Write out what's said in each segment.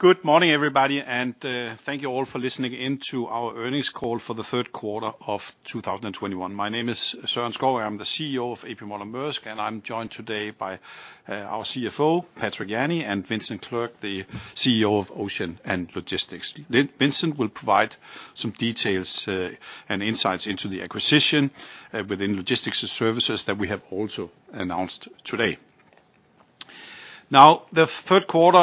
Good morning, everybody, and thank you all for listening in to our earnings call for the third quarter of 2021. My name is Søren Skou. I'm the CEO of A.P. Moller - Maersk, and I'm joined today by our CFO, Patrick Jany, and Vincent Clerc, the CEO of Ocean & Logistics. Vincent will provide some details and insights into the acquisition within Logistics & Services that we have also announced today. Now, the third quarter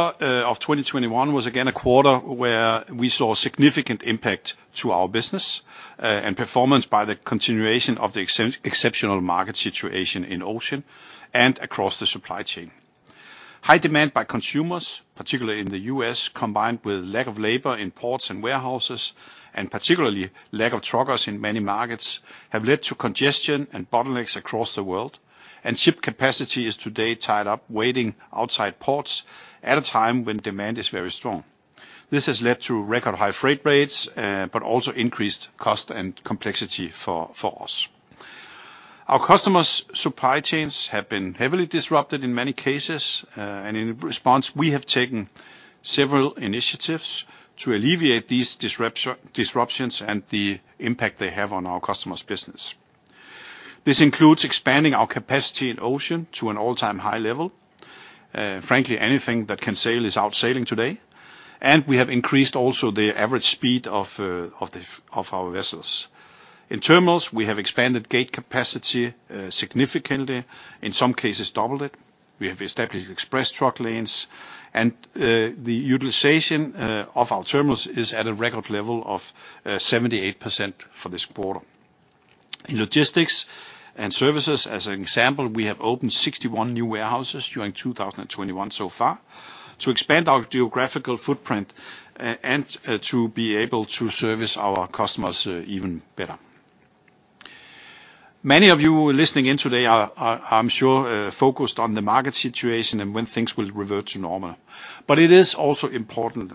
of 2021 was again a quarter where we saw significant impact to our business and performance by the continuation of the exceptional market situation in Ocean and across the supply chain. High demand by consumers, particularly in the U.S., combined with lack of labor in ports and warehouses, and particularly lack of truckers in many markets, have led to congestion and bottlenecks across the world, and ship capacity is today tied up waiting outside ports at a time when demand is very strong. This has led to record high freight rates, but also increased cost and complexity for us. Our customers' supply chains have been heavily disrupted in many cases, and in response, we have taken several initiatives to alleviate these disruptions and the impact they have on our customers' business. This includes expanding our capacity in Ocean to an all-time high level. Frankly, anything that can sail is out sailing today. We have increased also the average speed of our vessels. In terminals, we have expanded gate capacity significantly, in some cases doubled it. We have established express truck lanes, and the utilization of our terminals is at a record level of 78% for this quarter. In Logistics & Services, as an example, we have opened 61 new warehouses during 2021 so far to expand our geographical footprint and to be able to service our customers even better. Many of you who are listening in today are, I'm sure, focused on the market situation and when things will revert to normal. It is also important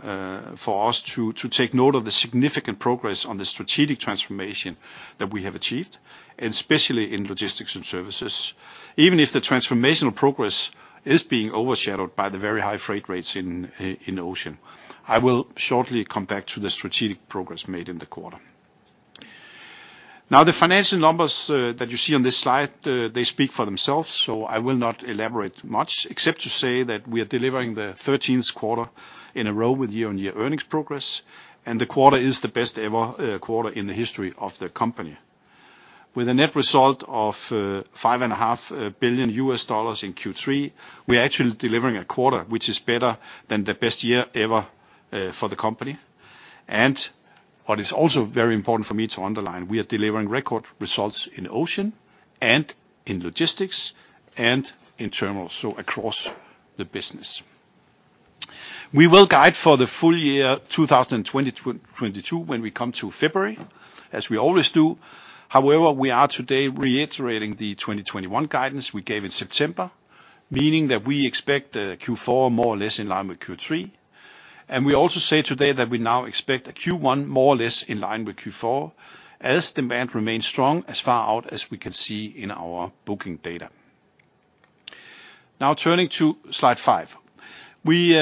for us to take note of the significant progress on the strategic transformation that we have achieved, and especially in Logistics & Services, even if the transformational progress is being overshadowed by the very high freight rates in the ocean. I will shortly come back to the strategic progress made in the quarter. Now, the financial numbers that you see on this slide they speak for themselves, so I will not elaborate much, except to say that we are delivering the 13th quarter in a row with year-on-year earnings progress, and the quarter is the best ever quarter in the history of the company. With a net result of $5 and a half billion in Q3, we are actually delivering a quarter which is better than the best year ever for the company. What is also very important for me to underline, we are delivering record results in Ocean and in Logistics and in Terminals, so across the business. We will guide for the full year 2022 when we come to February, as we always do. However, we are today reiterating the 2021 guidance we gave in September, meaning that we expect a Q4 more or less in line with Q3. We also say today that we now expect a Q1 more or less in line with Q4, as demand remains strong as far out as we can see in our booking data. Now turning to slide five. We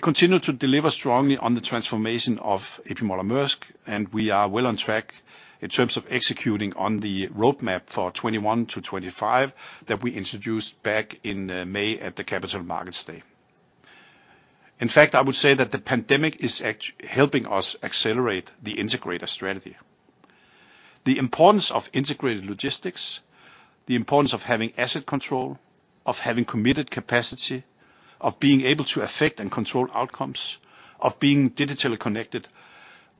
continue to deliver strongly on the transformation of A.P. Moller - Maersk, and we are well on track in terms of executing on the roadmap for 2021 to 2025 that we introduced back in May at the Capital Markets Day. In fact, I would say that the pandemic is helping us accelerate the integrator strategy. The importance of integrated logistics, the importance of having asset control, of having committed capacity, of being able to affect and control outcomes, of being digitally connected,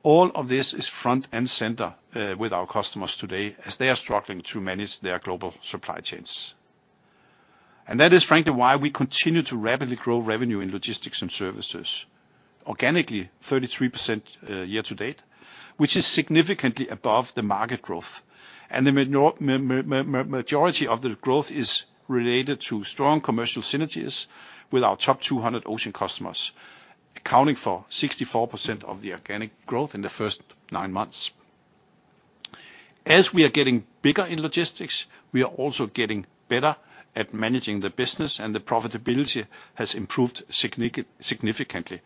all of this is front and center with our customers today as they are struggling to manage their global supply chains. That is frankly why we continue to rapidly grow revenue in logistics and services. Organically, 33% year to date, which is significantly above the market growth. The majority of the growth is related to strong commercial synergies with our top 200 Ocean customers, accounting for 64% of the organic growth in the first nine months. As we are getting bigger in logistics, we are also getting better at managing the business, and the profitability has improved significantly.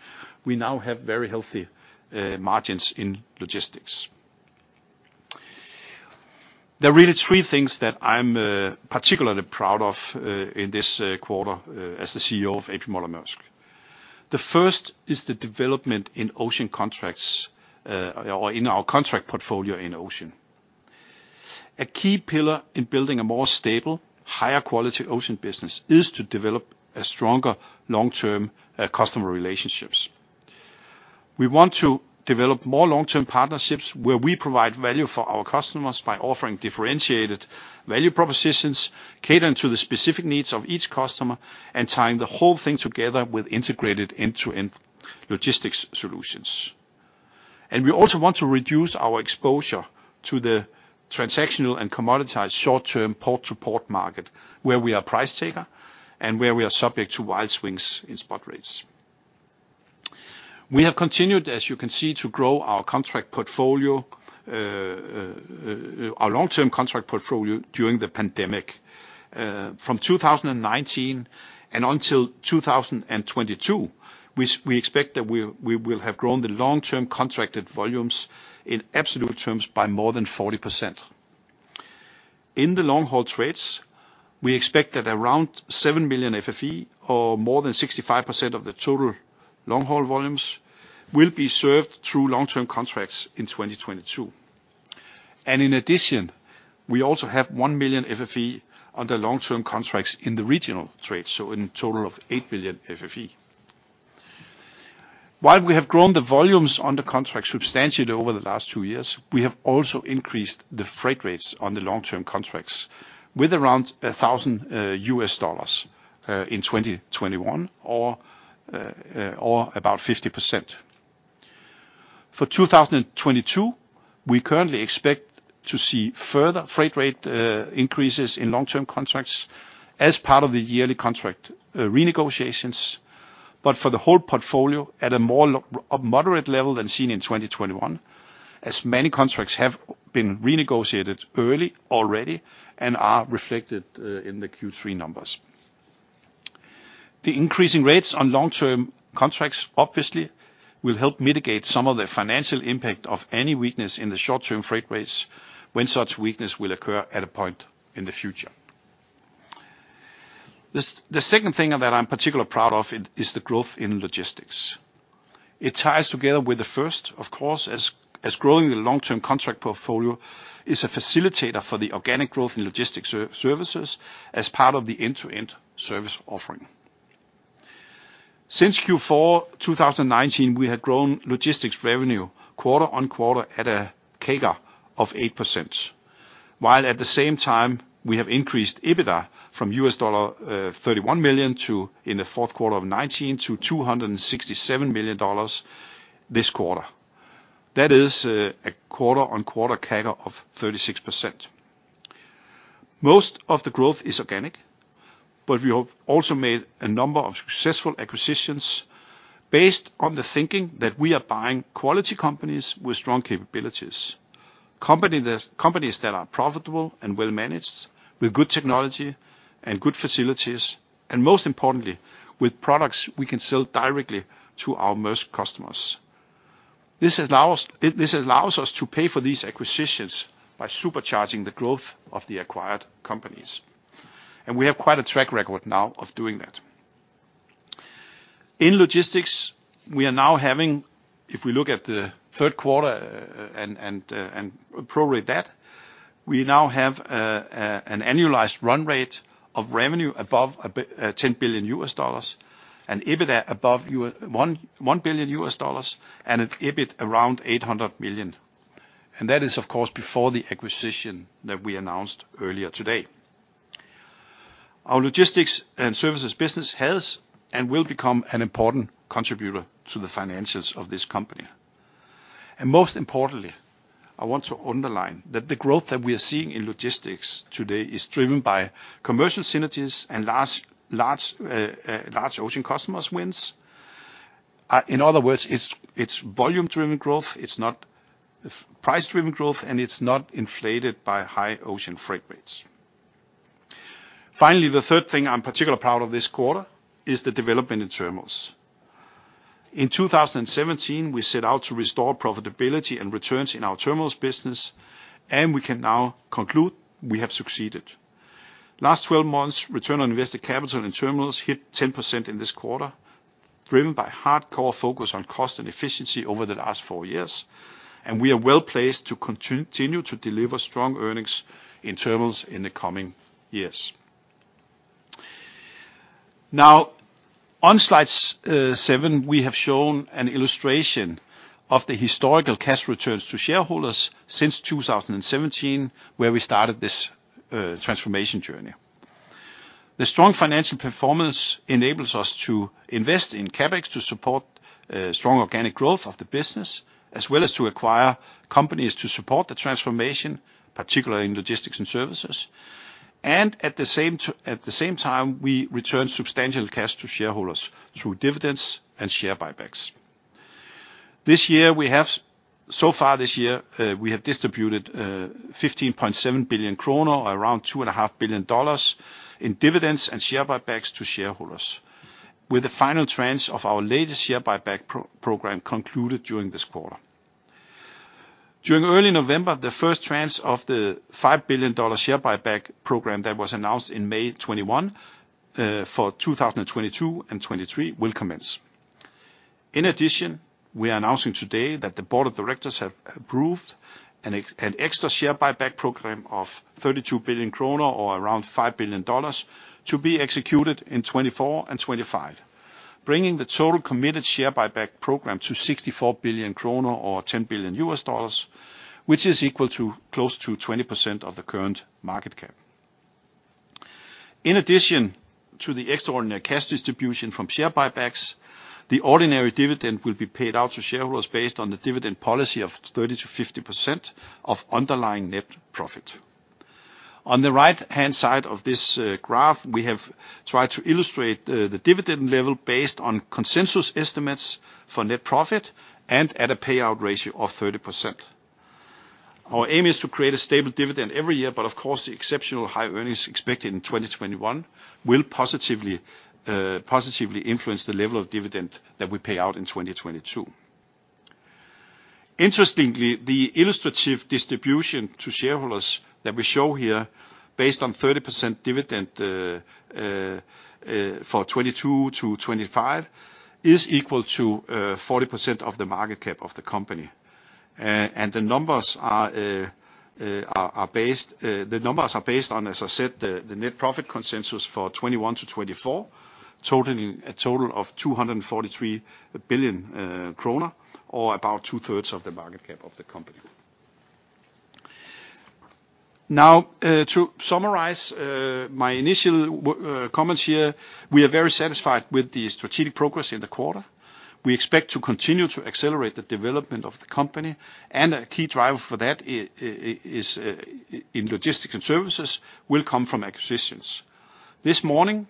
We now have very healthy margins in logistics. There are really three things that I'm particularly proud of in this quarter as the CEO of A.P. Moller - Maersk. The first is the development in Ocean contracts or in our contract portfolio in Ocean. A key pillar in building a more stable, higher quality Ocean business is to develop stronger long-term customer relationships. We want to develop more long-term partnerships where we provide value for our customers by offering differentiated value propositions, catering to the specific needs of each customer, and tying the whole thing together with integrated end-to-end logistics solutions. We also want to reduce our exposure to the transactional and commoditized short-term port-to-port market, where we are price taker and where we are subject to wide swings in spot rates. We have continued, as you can see, to grow our contract portfolio, our long-term contract portfolio during the pandemic. From 2019 and until 2022, we expect that we will have grown the long-term contracted volumes in absolute terms by more than 40%. In the long haul trades, we expect that around 7 million FFE, or more than 65% of the total long-haul volumes, will be served through long-term contracts in 2022. In addition, we also have 1 million FFE under long-term contracts in the regional trade, so in total of 8 billion FFE. While we have grown the volumes under contract substantially over the last two years, we have also increased the freight rates on the long-term contracts with around $1,000 in 2021 or about 50%. For 2022, we currently expect to see further freight rate increases in long-term contracts as part of the yearly contract renegotiations. For the whole portfolio at a more moderate level than seen in 2021, as many contracts have been renegotiated early already and are reflected in the Q3 numbers. The increasing rates on long-term contracts obviously will help mitigate some of the financial impact of any weakness in the short-term freight rates when such weakness will occur at a point in the future. The second thing that I'm particularly proud of it is the growth in logistics. It ties together with the first, of course, as growing the long-term contract portfolio is a facilitator for the organic growth in logistics services as part of the end-to-end service offering. Since Q4 2019, we have grown logistics revenue quarter-on-quarter at a CAGR of 8%, while at the same time we have increased EBITDA from $31 million in the fourth quarter of 2019 to $267 million this quarter. That is a quarter-on-quarter CAGR of 36%. Most of the growth is organic, but we have also made a number of successful acquisitions based on the thinking that we are buying quality companies with strong capabilities. Companies that are profitable and well managed with good technology and good facilities, and most importantly, with products we can sell directly to our Maersk customers. This allows us to pay for these acquisitions by supercharging the growth of the acquired companies. We have quite a track record now of doing that. In logistics, if we look at the third quarter and pro rate that, we now have an annualized run rate of revenue above $10 billion, an EBITDA above $1 billion, and an EBIT around $800 million. That is, of course, before the acquisition that we announced earlier today. Our Logistics & Services business has and will become an important contributor to the financials of this company. Most importantly, I want to underline that the growth that we are seeing in logistics today is driven by commercial synergies and large ocean customer wins. In other words, it's volume-driven growth. It's not price-driven growth, and it's not inflated by high ocean freight rates. Finally, the third thing I'm particularly proud of this quarter is the development in terminals. In 2017, we set out to restore profitability and returns in our terminals business, and we can now conclude we have succeeded. Last 12 months, return on invested capital in terminals hit 10% in this quarter, driven by hardcore focus on cost and efficiency over the last four years. We are well-placed to continue to deliver strong earnings in terminals in the coming years. Now, on slide seven, we have shown an illustration of the historical cash returns to shareholders since 2017, where we started this transformation journey. The strong financial performance enables us to invest in CapEx to support strong organic growth of the business, as well as to acquire companies to support the transformation, particularly in Logistics & Services. At the same time, we return substantial cash to shareholders through dividends and share buybacks. This year, so far this year, we have distributed 15.7 billion kroner, or around $2.5 billion, in dividends and share buybacks to shareholders, with the final tranche of our latest share buyback program concluded during this quarter. During early November, the first tranche of the $5 billion share buyback program that was announced in May 2021 for 2022 and 2023 will commence. In addition, we are announcing today that the board of directors have approved an extra share buyback program of 32 billion kroner, or around $5 billion, to be executed in 2024 and 2025, bringing the total committed share buyback program to 64 billion kroner or $10 billion, which is equal to close to 20% of the current market cap. In addition to the extraordinary cash distribution from share buybacks, the ordinary dividend will be paid out to shareholders based on the dividend policy of 30%-50% of underlying net profit. On the right-hand side of this graph, we have tried to illustrate the dividend level based on consensus estimates for net profit and at a payout ratio of 30%. Our aim is to create a stable dividend every year, but of course, the exceptional high earnings expected in 2021 will positively influence the level of dividend that we pay out in 2022. Interestingly, the illustrative distribution to shareholders that we show here based on 30% dividend for 2022-2025 is equal to 40% of the market cap of the company. The numbers are based on, as I said, the net profit consensus for 2021-2024, totaling 243 billion kroner or about two-thirds of the market cap of the company. Now, to summarize, my initial comments here, we are very satisfied with the strategic progress in the quarter. We expect to continue to accelerate the development of the company, and a key driver for that is in Logistics and Services will come from acquisitions. This morning,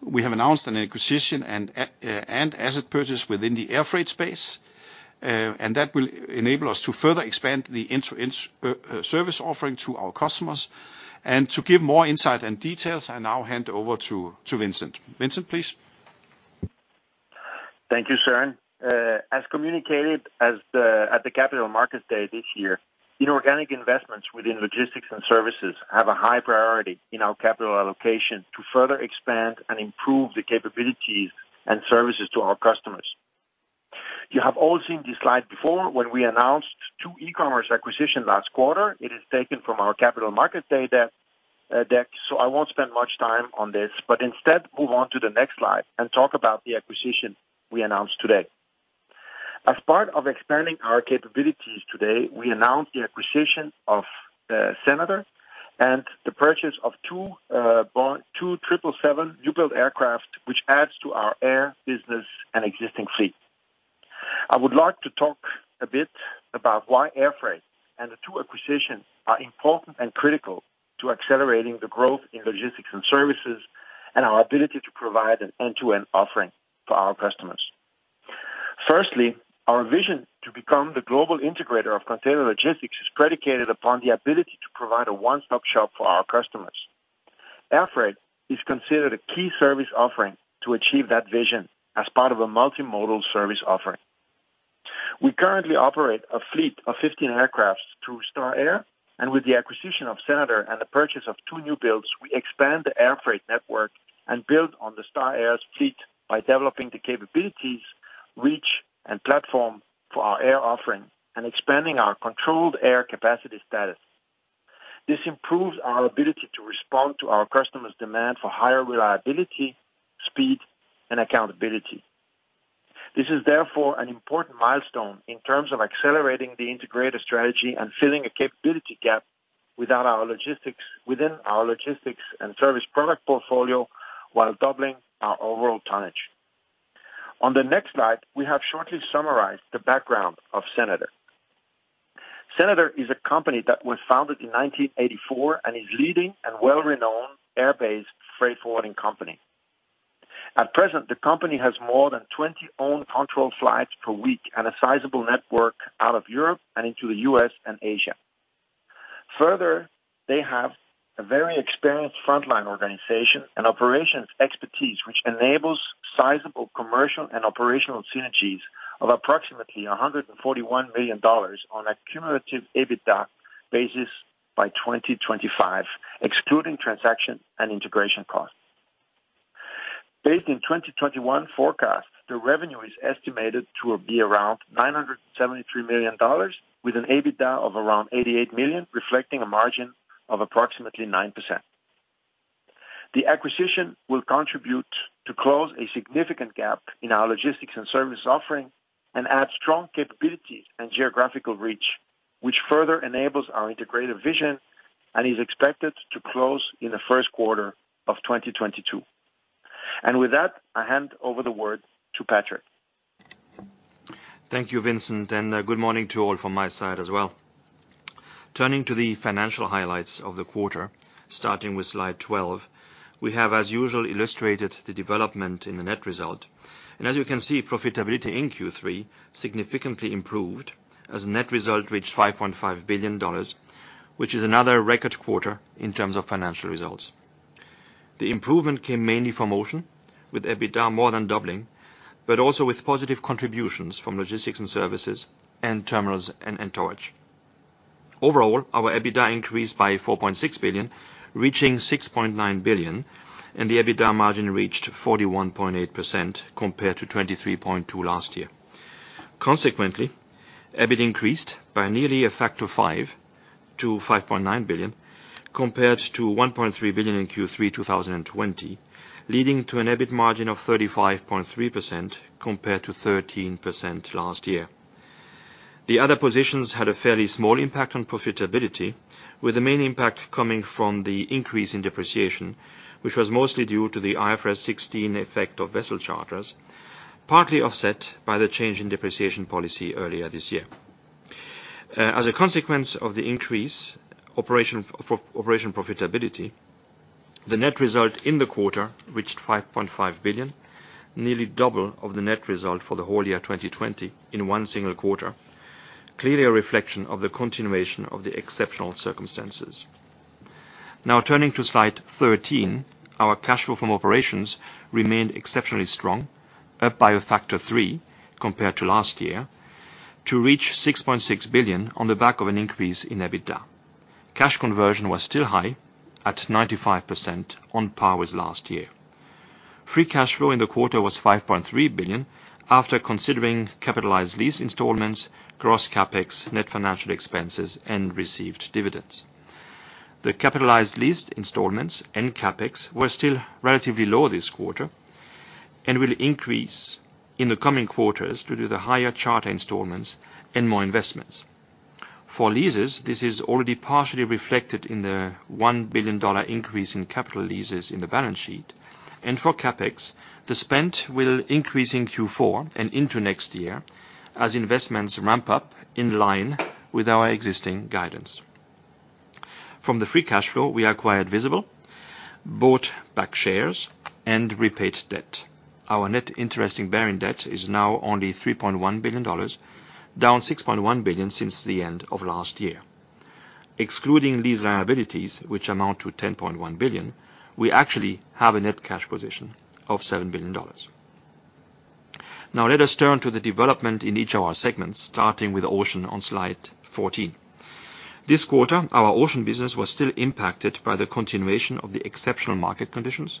we have announced an acquisition and asset purchase within the air freight space, and that will enable us to further expand the end-to-end service offering to our customers. To give more insight and details, I now hand over to Vincent. Vincent, please. Thank you, Søren. As communicated at the Capital Markets Day this year, inorganic investments within logistics and services have a high priority in our capital allocation to further expand and improve the capabilities and services to our customers. You have all seen this slide before when we announced two e-commerce acquisition last quarter. It is taken from our Capital Markets Day deck, so I won't spend much time on this, but instead move on to the next slide and talk about the acquisition we announced today. As part of expanding our capabilities today, we announced the acquisition of Senator and the purchase of two 777 new-build aircraft, which adds to our air business and existing fleet. I would like to talk a bit about why air freight and the two acquisitions are important and critical to accelerating the growth in Logistics & Services and our ability to provide an end-to-end offering for our customers. Firstly, our vision to become the global integrator of container logistics is predicated upon the ability to provide a one-stop shop for our customers. Air freight is considered a key service offering to achieve that vision as part of a multimodal service offering. We currently operate a fleet of 15 aircraft through Star Air, and with the acquisition of Senator and the purchase of two new builds, we expand the air freight network and build on the Star Air's fleet by developing the capabilities, reach, and platform for our air offering and expanding our controlled air capacity status. This improves our ability to respond to our customers' demand for higher reliability, speed, and accountability. This is therefore an important milestone in terms of accelerating the integrated strategy and filling a capability gap within our logistics and service product portfolio while doubling our overall tonnage. On the next slide, we have shortly summarized the background of Senator. Senator is a company that was founded in 1984 and is a leading well-renowned air and sea-based freight forwarding company. At present, the company has more than 20 owner-controlled flights per week and a sizable network out of Europe and into the U.S. and Asia. Further, they have a very experienced frontline organization and operations expertise which enables sizable commercial and operational synergies of approximately $141 million on a cumulative EBITDA basis by 2025, excluding transaction and integration costs. Based on 2021 forecast, the revenue is estimated to be around $973 million with an EBITDA of around $88 million, reflecting a margin of approximately 9%. The acquisition will contribute to close a significant gap in our logistics and service offering and add strong capabilities and geographical reach, which further enables our integrated vision and is expected to close in the first quarter of 2022. With that, I hand over the word to Patrick. Thank you, Vincent, and good morning to all from my side as well. Turning to the financial highlights of the quarter, starting with slide 12, we have as usual illustrated the development in the net result. As you can see, profitability in Q3 significantly improved as net result reached $5.5 billion, which is another record quarter in terms of financial results. The improvement came mainly from Ocean, with EBITDA more than doubling, but also with positive contributions from Logistics and Services and Terminals and Towage. Overall, our EBITDA increased by $4.6 billion, reaching $6.9 billion, and the EBITDA margin reached 41.8% compared to 23.2% last year. Consequently, EBIT increased by nearly a factor of five to $5.9 billion, compared to $1.3 billion in Q3 2020, leading to an EBIT margin of 35.3% compared to 13% last year. The other positions had a fairly small impact on profitability, with the main impact coming from the increase in depreciation, which was mostly due to the IFRS 16 effect of vessel charters, partly offset by the change in depreciation policy earlier this year. As a consequence of the increase in operational profitability, the net result in the quarter reached $5.5 billion, nearly double of the net result for the whole year 2020 in one single quarter. Clearly a reflection of the continuation of the exceptional circumstances. Now turning to slide 13, our cash flow from operations remained exceptionally strong, up by a factor of three compared to last year to reach $6.6 billion on the back of an increase in EBITDA. Cash conversion was still high at 95% on par with last year. Free cash flow in the quarter was $5.3 billion after considering capitalized lease installments, gross CapEx, net financial expenses, and received dividends. The capitalized lease installments and CapEx were still relatively low this quarter and will increase in the coming quarters due to the higher charter installments and more investments. For leases, this is already partially reflected in the $1 billion increase in capital leases in the balance sheet. For CapEx, the spend will increase in Q4 and into next year as investments ramp up in line with our existing guidance. From the free cash flow, we acquired Visible, bought back shares and repaid debt. Our net interest bearing debt is now only $3.1 billion, down $6.1 billion since the end of last year. Excluding these liabilities, which amount to $10.1 billion, we actually have a net cash position of $7 billion. Now let us turn to the development in each of our segments, starting with Ocean on slide 14. This quarter, our Ocean business was still impacted by the continuation of the exceptional market conditions,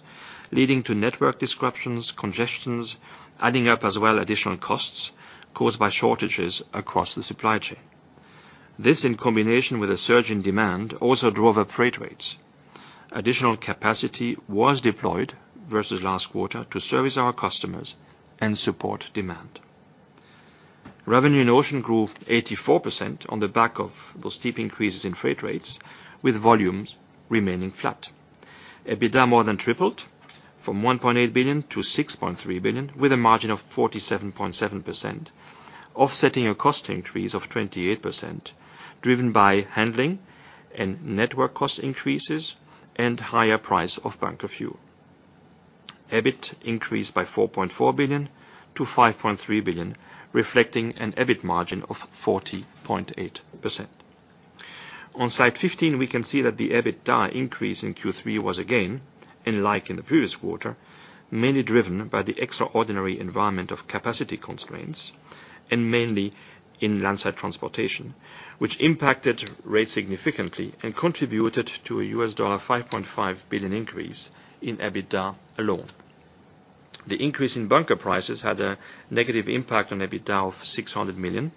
leading to network disruptions, congestions, adding up as well additional costs caused by shortages across the supply chain. This, in combination with a surge in demand, also drove up freight rates. Additional capacity was deployed versus last quarter to service our customers and support demand. Revenue in Ocean grew 84% on the back of those steep increases in freight rates, with volumes remaining flat. EBITDA more than tripled from $1.8 billion-$6.3 billion, with a margin of 47.7%, offsetting a cost increase of 28%, driven by handling and network cost increases and higher price of bunker fuel. EBIT increased by $4.4 billion -$5.3 billion, reflecting an EBIT margin of 40.8%. On slide 15, we can see that the EBITDA increase in Q3 was again, and like in the previous quarter, mainly driven by the extraordinary environment of capacity constraints and mainly in landside transportation, which impacted rates significantly and contributed to a $5.5 billion increase in EBITDA alone. The increase in bunker prices had a negative impact on EBITDA of $600 million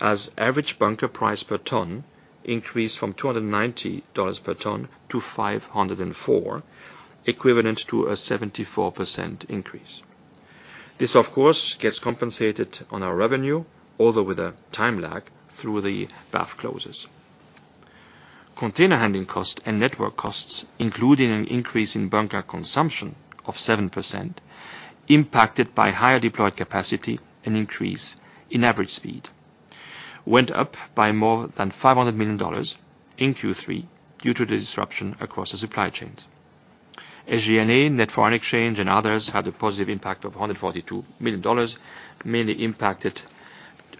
as average bunker price per ton increased from $290 per ton to $504, equivalent to a 74% increase. This, of course, gets compensated on our revenue, although with a time lag through the BAF clauses. Container handling costs and network costs, including an increase in bunker consumption of 7% impacted by higher deployed capacity and increase in average speed, went up by more than $500 million in Q3 due to the disruption across the supply chains. SG&A, net foreign exchange, and others had a positive impact of $142 million, mainly impacted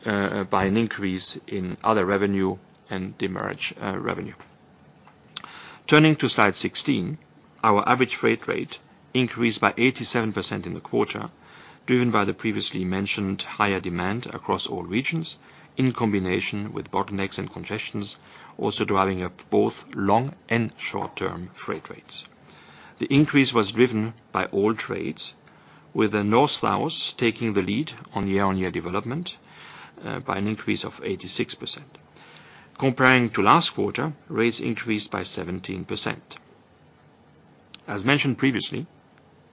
by an increase in other revenue and demurrage revenue. Turning to slide 16, our average freight rate increased by 87% in the quarter, driven by the previously mentioned higher demand across all regions in combination with bottlenecks and congestions, also driving up both long and short-term freight rates. The increase was driven by all trades, with the North-South taking the lead on the year-on-year development, by an increase of 86%. Comparing to last quarter, rates increased by 17%. As mentioned previously,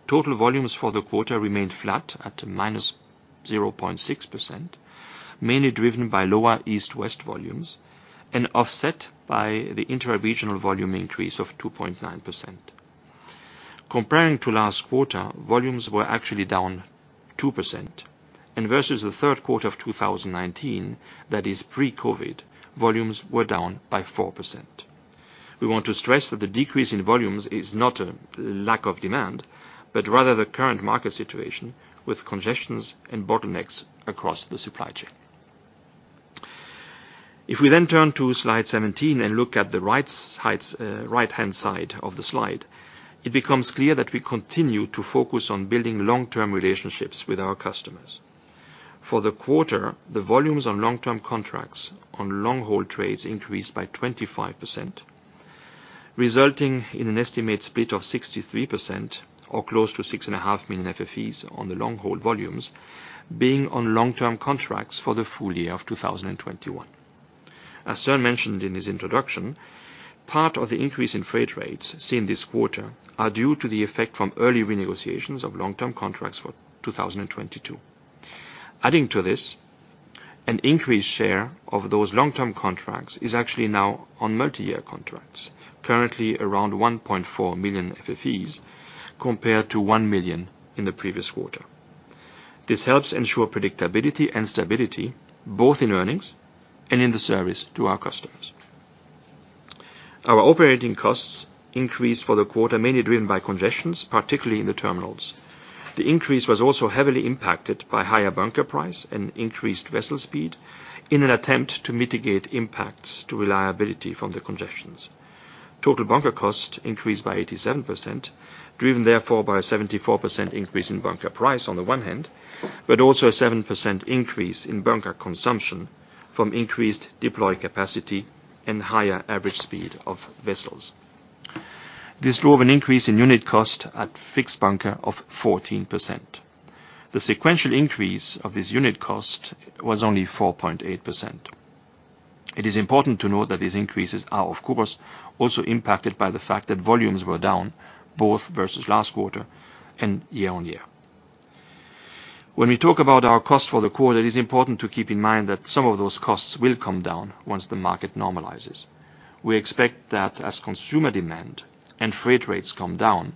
total volumes for the quarter remained flat at -0.6%, mainly driven by lower East-West volumes and offset by the intra-regional volume increase of 2.9%. Comparing to last quarter, volumes were actually down 2% and versus the third quarter of 2019, that is pre-COVID, volumes were down by 4%. We want to stress that the decrease in volumes is not a lack of demand, but rather the current market situation with congestions and bottlenecks across the supply chain. If we then turn to slide 17 and look at the right-hand side of the slide, it becomes clear that we continue to focus on building long-term relationships with our customers. For the quarter, the volumes on long-term contracts on long-haul trades increased by 25%, resulting in an estimated split of 63% or close to 6.5 million FFE on the long-haul volumes being on long-term contracts for the full year of 2021. As Søren mentioned in his introduction, part of the increase in freight rates seen this quarter are due to the effect from early renegotiations of long-term contracts for 2022. Adding to this, an increased share of those long-term contracts is actually now on multi-year contracts, currently around 1.4 million FFE compared to 1 million in the previous quarter. This helps ensure predictability and stability, both in earnings and in the service to our customers. Our operating costs increased for the quarter, mainly driven by congestions, particularly in the terminals. The increase was also heavily impacted by higher bunker price and increased vessel speed in an attempt to mitigate impacts to reliability from the congestions. Total bunker cost increased by 87%, driven therefore by a 74% increase in bunker price on the one hand, but also a 7% increase in bunker consumption from increased deployed capacity and higher average speed of vessels. This drove an increase in unit cost at fixed bunker of 14%. The sequential increase of this unit cost was only 4.8%. It is important to note that these increases are, of course, also impacted by the fact that volumes were down both versus last quarter and year on year. When we talk about our cost for the quarter, it is important to keep in mind that some of those costs will come down once the market normalizes. We expect that as consumer demand and freight rates come down,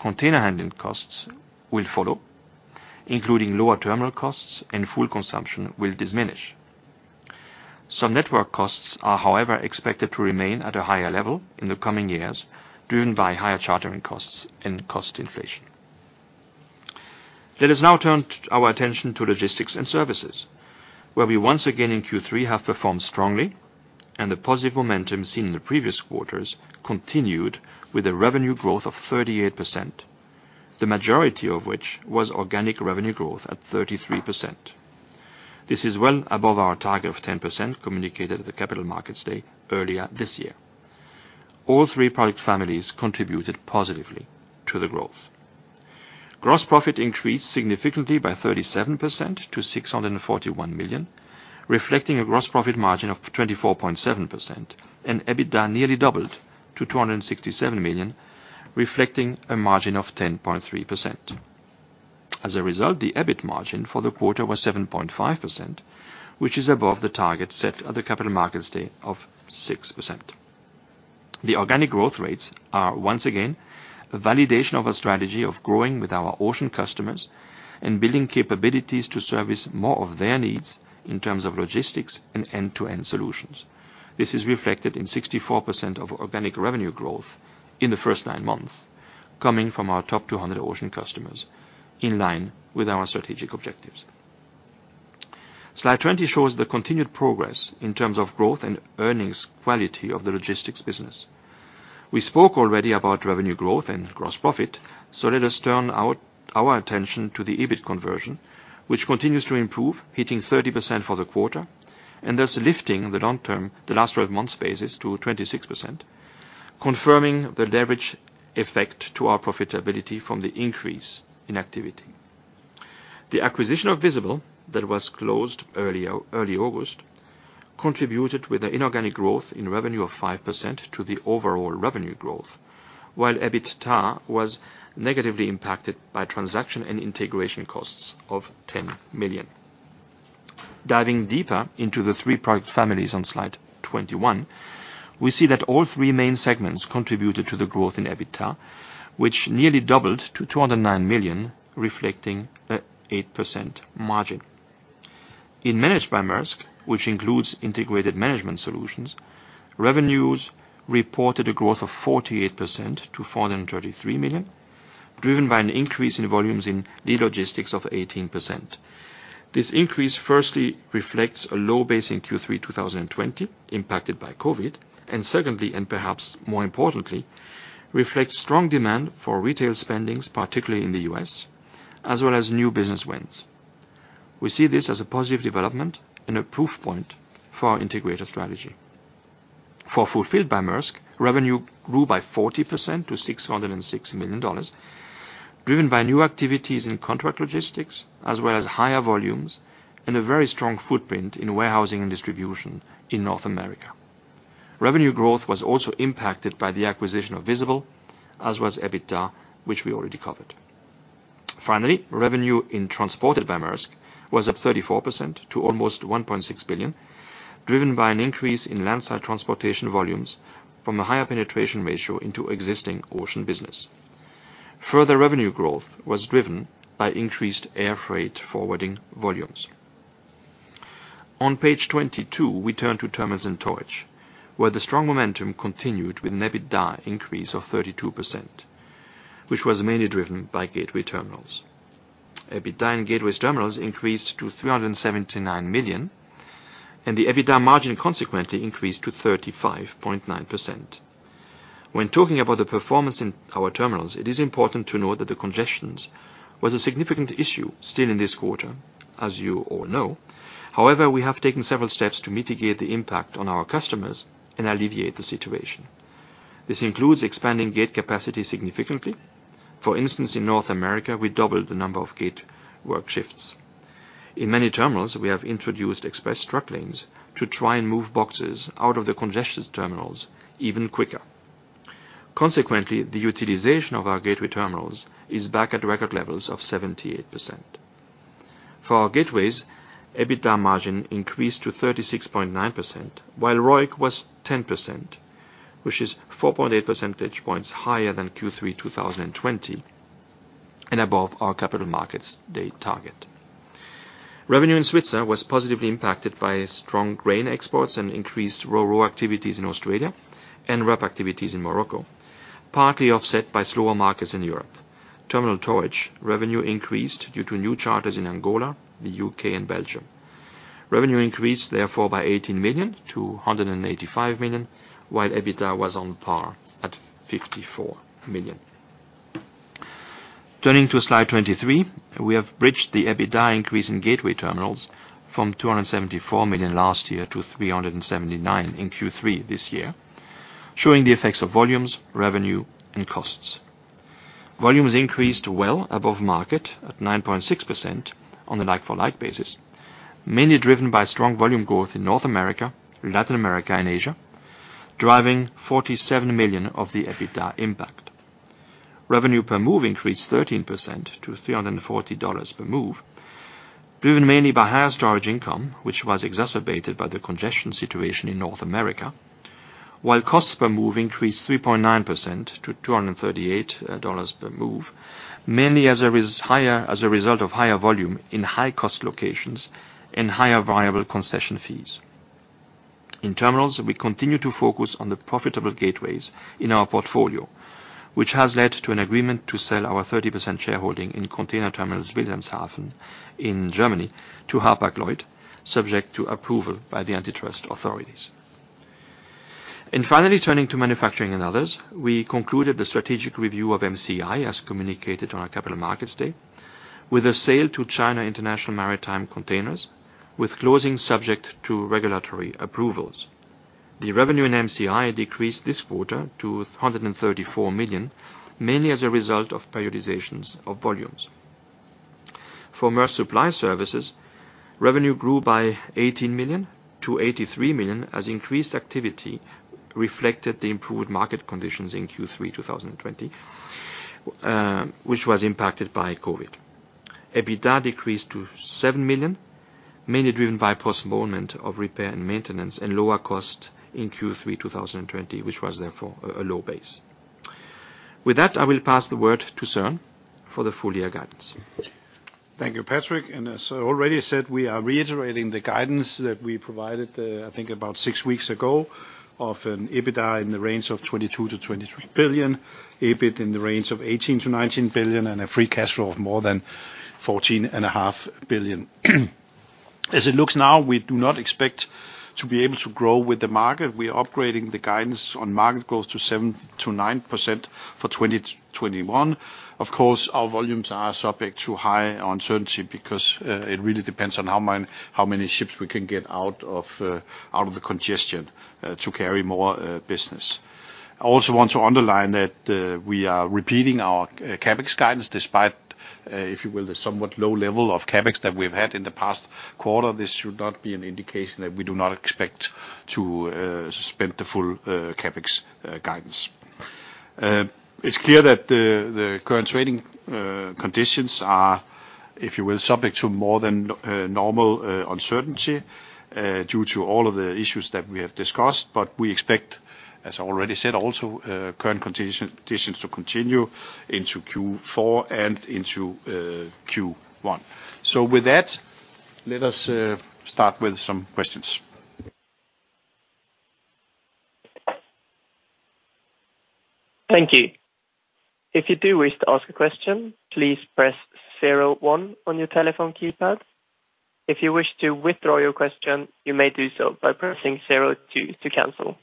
container handling costs will follow, including lower terminal costs and fuel consumption will diminish. Some network costs are, however, expected to remain at a higher level in the coming years, driven by higher chartering costs and cost inflation. Let us now turn our attention to Logistics & Services, where we once again in Q3 have performed strongly, and the positive momentum seen in the previous quarters continued with a revenue growth of 38%, the majority of which was organic revenue growth at 33%. This is well above our target of 10% communicated at the Capital Markets Day earlier this year. All three product families contributed positively to the growth. Gross profit increased significantly by 37% to $641 million, reflecting a gross profit margin of 24.7%, and EBITDA nearly doubled to $267 million, reflecting a margin of 10.3%. As a result, the EBIT margin for the quarter was 7.5%, which is above the target set at the Capital Markets Day of 6%. The organic growth rates are once again a validation of a strategy of growing with our ocean customers and building capabilities to service more of their needs in terms of logistics and end-to-end solutions. This is reflected in 64% of organic revenue growth in the first nine months, coming from our top 200 ocean customers, in line with our strategic objectives. Slide 20 shows the continued progress in terms of growth and earnings quality of the logistics business. We spoke already about revenue growth and gross profit, so let us turn our attention to the EBIT conversion, which continues to improve, hitting 30% for the quarter and thus lifting the long term, the last twelve months basis to 26%, confirming the leverage effect to our profitability from the increase in activity. The acquisition of Visible, that was closed early August, contributed with an inorganic growth in revenue of 5% to the overall revenue growth, while EBITDA was negatively impacted by transaction and integration costs of $10 million. Diving deeper into the three product families on Slide 21, we see that all three main segments contributed to the growth in EBITDA, which nearly doubled to $209 million, reflecting an 8% margin. In Managed by Maersk, which includes integrated management solutions, revenues reported a growth of 48% to $433 million, driven by an increase in volumes in lead logistics of 18%. This increase firstly reflects a low base in Q3 2020 impacted by COVID, and secondly, and perhaps more importantly, reflects strong demand for retail spending, particularly in the U.S., as well as new business wins. We see this as a positive development and a proof point for our integrated strategy. For Fulfilled by Maersk, revenue grew by 40% to $606 million, driven by new activities in contract logistics as well as higher volumes and a very strong footprint in warehousing and distribution in North America. Revenue growth was also impacted by the acquisition of Visible, as was EBITDA, which we already covered. Finally, revenue in Transported by Maersk was up 34% to almost $1.6 billion, driven by an increase in landside transportation volumes from a higher penetration ratio into existing ocean business. Further revenue growth was driven by increased air freight forwarding volumes. On page 22, we turn to Terminals and Towage, where the strong momentum continued with an EBITDA increase of 32%, which was mainly driven by Gateway terminals. EBITDA in Gateway terminals increased to $379 million, and the EBITDA margin consequently increased to 35.9%. When talking about the performance in our terminals, it is important to note that the congestion was a significant issue still in this quarter, as you all know. However, we have taken several steps to mitigate the impact on our customers and alleviate the situation. This includes expanding gate capacity significantly. For instance, in North America, we doubled the number of gate work shifts. In many terminals, we have introduced express truck lanes to try and move boxes out of the congestion terminals even quicker. Consequently, the utilization of our gateway terminals is back at record levels of 78%. For our gateways, EBITDA margin increased to 36.9%, while ROIC was 10%, which is 4.8 percentage points higher than Q3 2020, and above our Capital Markets Day target. Revenue in Switzerland was positively impacted by strong grain exports and increased RoRo activities in Australia and reefer activities in Morocco, partly offset by slower markets in Europe. Terminal towage revenue increased due to new charters in Angola, the U.K. and Belgium. Revenue increased therefore by $18 million-$185 million, while EBITDA was on par at $54 million. Turning to slide 23, we have bridged the EBITDA increase in gateway terminals from $274 million last year to $379 million in Q3 this year, showing the effects of volumes, revenue and costs. Volumes increased well above market at 9.6% on the like-for-like basis, mainly driven by strong volume growth in North America, Latin America and Asia, driving $47 million of the EBITDA impact. Revenue per move increased 13% to $340 per move, driven mainly by higher storage income, which was exacerbated by the congestion situation in North America, while costs per move increased 3.9% to $238 per move, mainly as a result of higher volume in high cost locations and higher variable concession fees. In terminals, we continue to focus on the profitable gateways in our portfolio, which has led to an agreement to sell our 30% shareholding in Container Terminal Wilhelmshaven in Germany to Hapag-Lloyd, subject to approval by the antitrust authorities. Finally turning to manufacturing and others, we concluded the strategic review of MCI as communicated on our Capital Markets Day, with a sale to China International Marine Containers, with closing subject to regulatory approvals. The revenue in MCI decreased this quarter to $134 million, mainly as a result of periodizations of volumes. For Maersk Supply Services, revenue grew by $18 million-$83 million as increased activity reflected the improved market conditions in Q3 2020, which was impacted by COVID. EBITDA decreased to $7 million, mainly driven by postponement of repair and maintenance and lower cost in Q3 2020, which was therefore a low base. With that, I will pass the word to Søren for the full year guidance. Thank you, Patrick. As I already said, we are reiterating the guidance that we provided, I think about six weeks ago of an EBITDA in the range of $22 billion-$23 billion, EBIT in the range of $18 billion-$19 billion, and a free cash flow of more than $14.5 billion. As it looks now, we do not expect to be able to grow with the market. We are upgrading the guidance on market growth to 7%-9% for 2021. Of course, our volumes are subject to high uncertainty because it really depends on how many ships we can get out of the congestion to carry more business. I also want to underline that we are repeating our CapEx guidance despite, if you will, the somewhat low level of CapEx that we've had in the past quarter. This should not be an indication that we do not expect to suspend the full CapEx guidance. It's clear that the current trading conditions are, if you will, subject to more than normal uncertainty due to all of the issues that we have discussed. We expect, as I already said, also current conditions to continue into Q4 and into Q1. With that, let us start with some questions. Thank you. If you do wish to ask a question, please press 01 on your telephone keypad. If you wish to withdraw your question, you may do so by pressing 02 to cancel.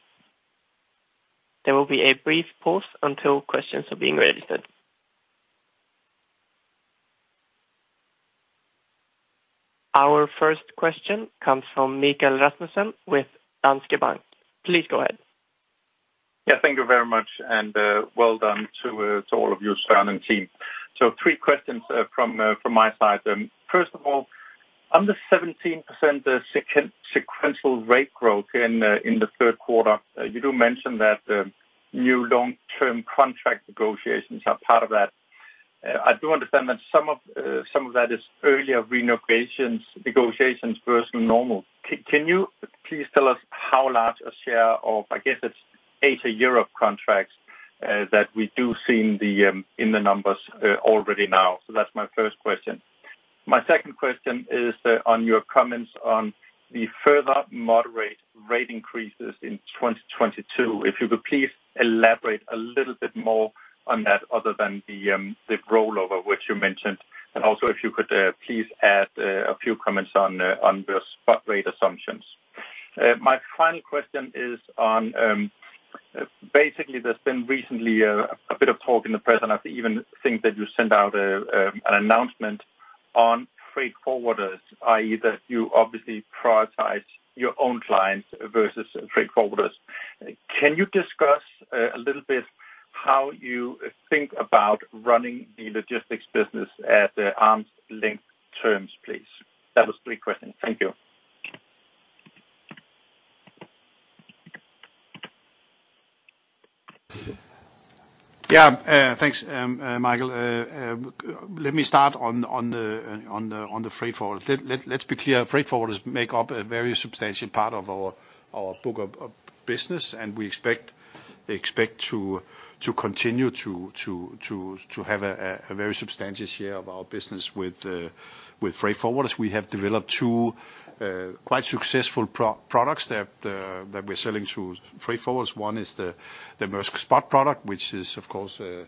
There will be a brief pause until questions are being registered. Our first question comes from Michael Rasmussen with Danske Bank. Please go ahead. Yeah, thank you very much, and well done to all of you, Søren and team. Three questions from my side. First of all, on the 17% sequential rate growth in the third quarter, you do mention that new long-term contract negotiations are part of that. I do understand that some of that is earlier renegotiations versus normal. Can you please tell us how large a share of, I guess it's Asia/Europe contracts, that we do see in the numbers already now? That's my first question. My second question is on your comments on the further moderate rate increases in 2022. If you could please elaborate a little bit more on that other than the rollover which you mentioned, and also if you could please add a few comments on your spot rate assumptions. My final question is on basically there's been recently a bit of talk in the press, and I even think that you sent out an announcement on freight forwarders, i.e. that you obviously prioritize your own clients versus freight forwarders. Can you discuss a little bit how you think about running the logistics business at the arm's length terms, please? That was three questions. Thank you. Yeah. Thanks, Michael. Let me start on the freight forward. Let's be clear. Freight forwarders make up a very substantial part of our book of business, and we expect to continue to have a very substantial share of our business with freight forwarders. We have developed two quite successful products that we're selling to freight forwarders. One is the Maersk Spot product, which is of course a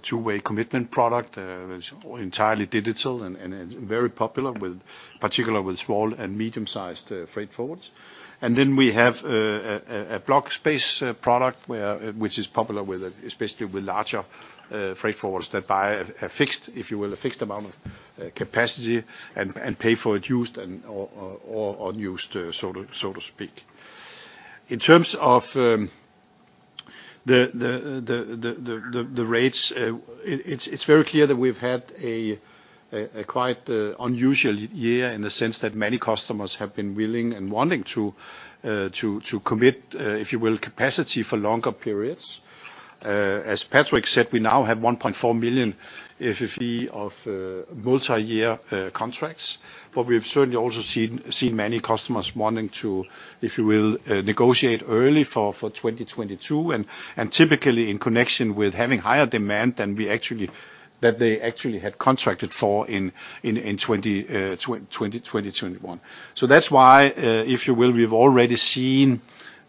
two-way commitment product that's entirely digital and very popular particularly with small and medium-sized freight forwards. We have a block space product which is popular with, especially with larger freight forwards that buy a fixed, if you will, a fixed amount of capacity and pay for it used and/or unused, so to speak. In terms of the rates, it's very clear that we've had a quite unusual year in the sense that many customers have been willing and wanting to commit, if you will, capacity for longer periods. As Patrick said, we now have 1.4 million FFE of multi-year contracts. We've certainly also seen many customers wanting to, if you will, negotiate early for 2022, and typically in connection with having higher demand than they actually had contracted for in 2021. That's why, if you will, we've already seen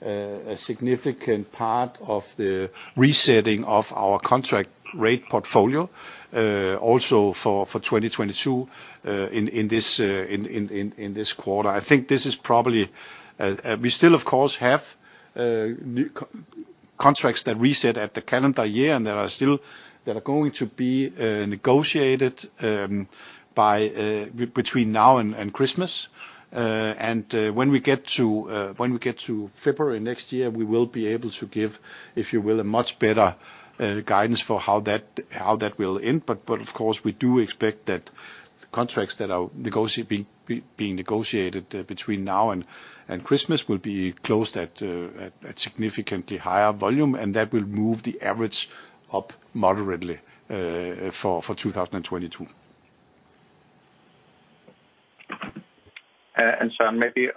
a significant part of the resetting of our contract rate portfolio also for 2022 in this quarter. I think this is probably. We still of course have new contracts that reset at the calendar year, and there are still that are going to be negotiated between now and Christmas. When we get to February next year, we will be able to give, if you will, a much better guidance for how that will end. Of course, we do expect that contracts that are being negotiated between now and Christmas will be closed at significantly higher volume, and that will move the average up moderately for 2022. Søren, maybe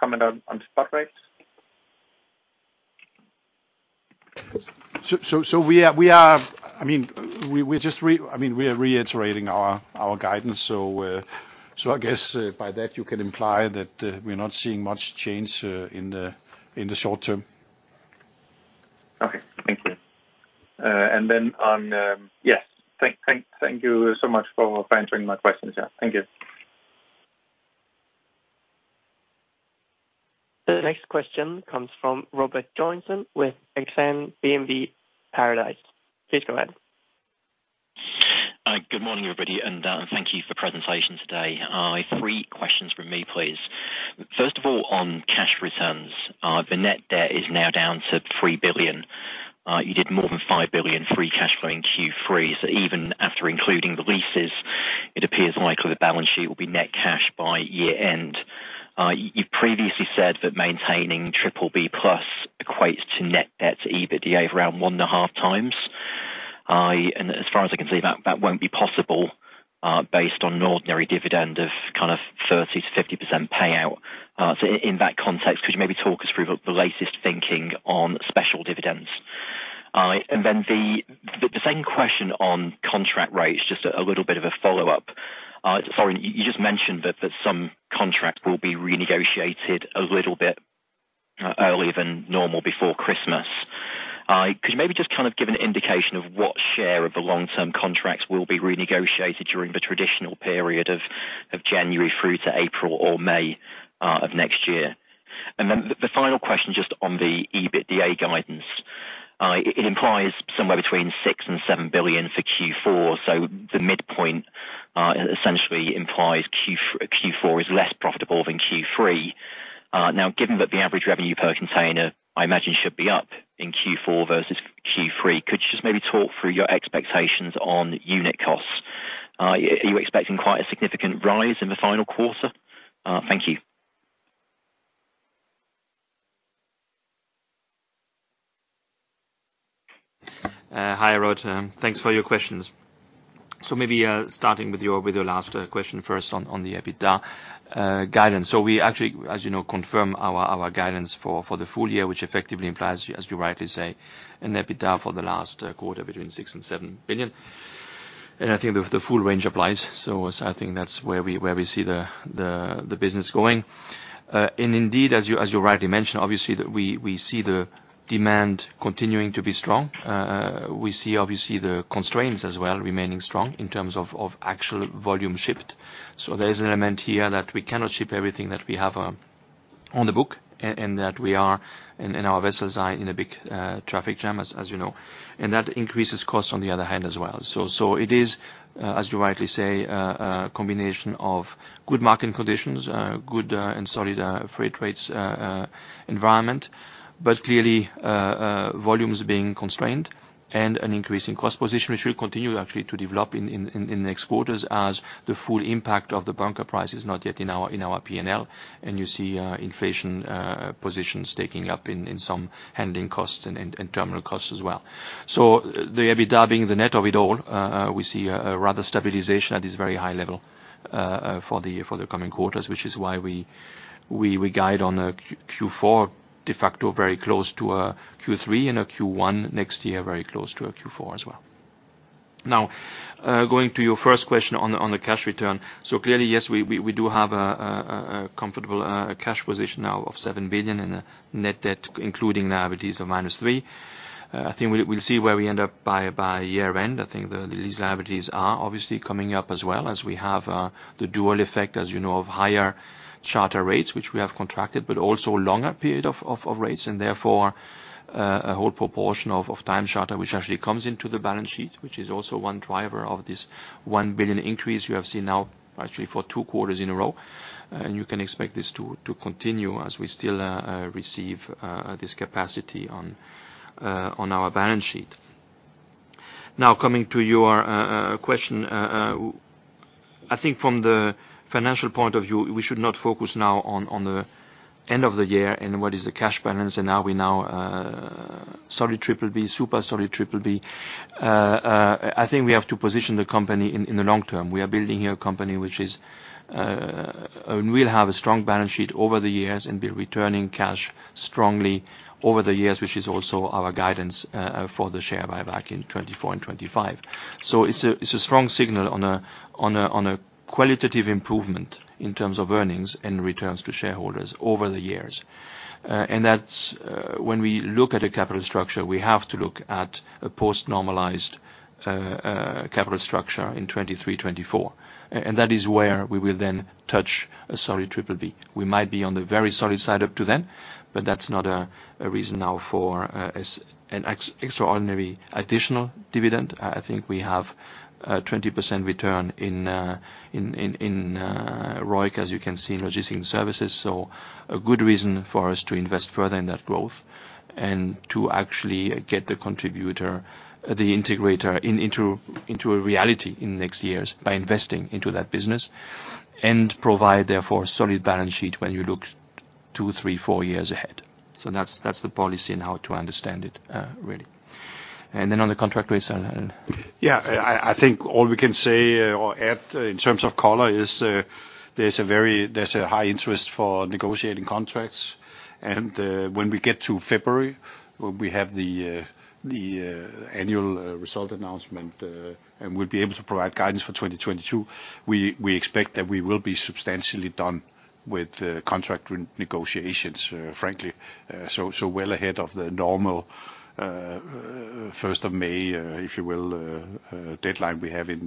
comment on spot rates. I mean, we are reiterating our guidance. I guess by that you can imply that we're not seeing much change in the short term. Okay. Thank you. Thank you so much for answering my questions. Yeah. Thank you. The next question comes from Robert Joynson with Exane BNP Paribas. Please go ahead. Good morning, everybody, and thank you for presentation today. Three questions from me, please. First of all, on cash returns, the net debt is now down to $3 billion. You did more than $5 billion free cash flow in Q3. Even after including the leases, it appears likely the balance sheet will be net cash by year-end. You've previously said that maintaining BBB+ equates to net debt to EBITDA of around 1.5x. And as far as I can see, that won't be possible based on an ordinary dividend of kind of 30%-50% payout. In that context, could you maybe talk us through the latest thinking on special dividends? And then the same question on contract rates, just a little bit of a follow-up. Søren, you just mentioned that some contracts will be renegotiated a little bit early than normal before Christmas. Could you maybe just kind of give an indication of what share of the long-term contracts will be renegotiated during the traditional period of January through to April or May of next year? Then the final question just on the EBITDA guidance. It implies somewhere between $6 billion-$7 billion for Q4. So the midpoint essentially implies Q4 is less profitable than Q3. Now, given that the average revenue per container, I imagine should be up in Q4 versus Q3, could you just maybe talk through your expectations on unit costs? Are you expecting quite a significant rise in the final quarter? Thank you. Hi, Robert. Thanks for your questions. Maybe starting with your last question first on the EBITDA guidance. We actually, as you know, confirm our guidance for the full year, which effectively implies, as you rightly say, an EBITDA for the last quarter between $6 billion and $7 billion. I think the full range applies. As I think that's where we see the business going. Indeed, as you rightly mentioned, obviously, that we see the demand continuing to be strong. We see obviously the constraints as well remaining strong in terms of actual volume shipped. There is an element here that we cannot ship everything that we have on the book, and that we are, and our vessels are in a big traffic jam, as you know, and that increases costs on the other hand as well. It is, as you rightly say, a combination of good market conditions, good and solid freight rate environment, but clearly volumes being constrained. An increase in cost position, which will continue actually to develop in the next quarters as the full impact of the bunker price is not yet in our P&L. You see inflation positions taking up in some handling costs and terminal costs as well. The EBITDA being the net of it all, we see a rather stabilization at this very high level for the coming quarters, which is why we guide on a Q4 de facto very close to a Q3 and a Q1 next year, very close to a Q4 as well. Now, going to your first question on the cash return. Clearly, yes, we do have a comfortable cash position now of $7 billion in net debt, including the liabilities of minus three. I think we'll see where we end up by year end. I think the these liabilities are obviously coming up as well as we have the dual effect, as you know, of higher charter rates which we have contracted, but also longer period of rates and therefore a whole proportion of time charter which actually comes into the balance sheet, which is also one driver of this $1 billion increase you have seen now actually for two quarters in a row. You can expect this to continue as we still receive this capacity on our balance sheet. Now coming to your question, I think from the financial point of view, we should not focus now on the end of the year and what is the cash balance and are we now solid BBB, super solid BBB. I think we have to position the company in the long term. We are building here a company which is and will have a strong balance sheet over the years and be returning cash strongly over the years, which is also our guidance for the share buyback in 2024 and 2025. It's a strong signal on a qualitative improvement in terms of earnings and returns to shareholders over the years. That's when we look at a capital structure. We have to look at a post-normalized capital structure in 2023, 2024, and that is where we will then touch a solid BBB. We might be on the very solid side up to then, but that's not a reason now for an extraordinary additional dividend. I think we have a 20% return in ROIC, as you can see in Logistics & Services. A good reason for us to invest further in that growth and to actually get the contributor, the integrator into a reality in next years by investing into that business. Provide, therefore, a solid balance sheet when you look two, three, four years ahead. That's the policy now to understand it really. Then on the contract rates. I think all we can say or add in terms of color is there's a high interest for negotiating contracts. When we get to February, we have the annual result announcement, and we'll be able to provide guidance for 2022. We expect that we will be substantially done with contract negotiations, frankly, well ahead of the normal first of May, if you will, deadline we have in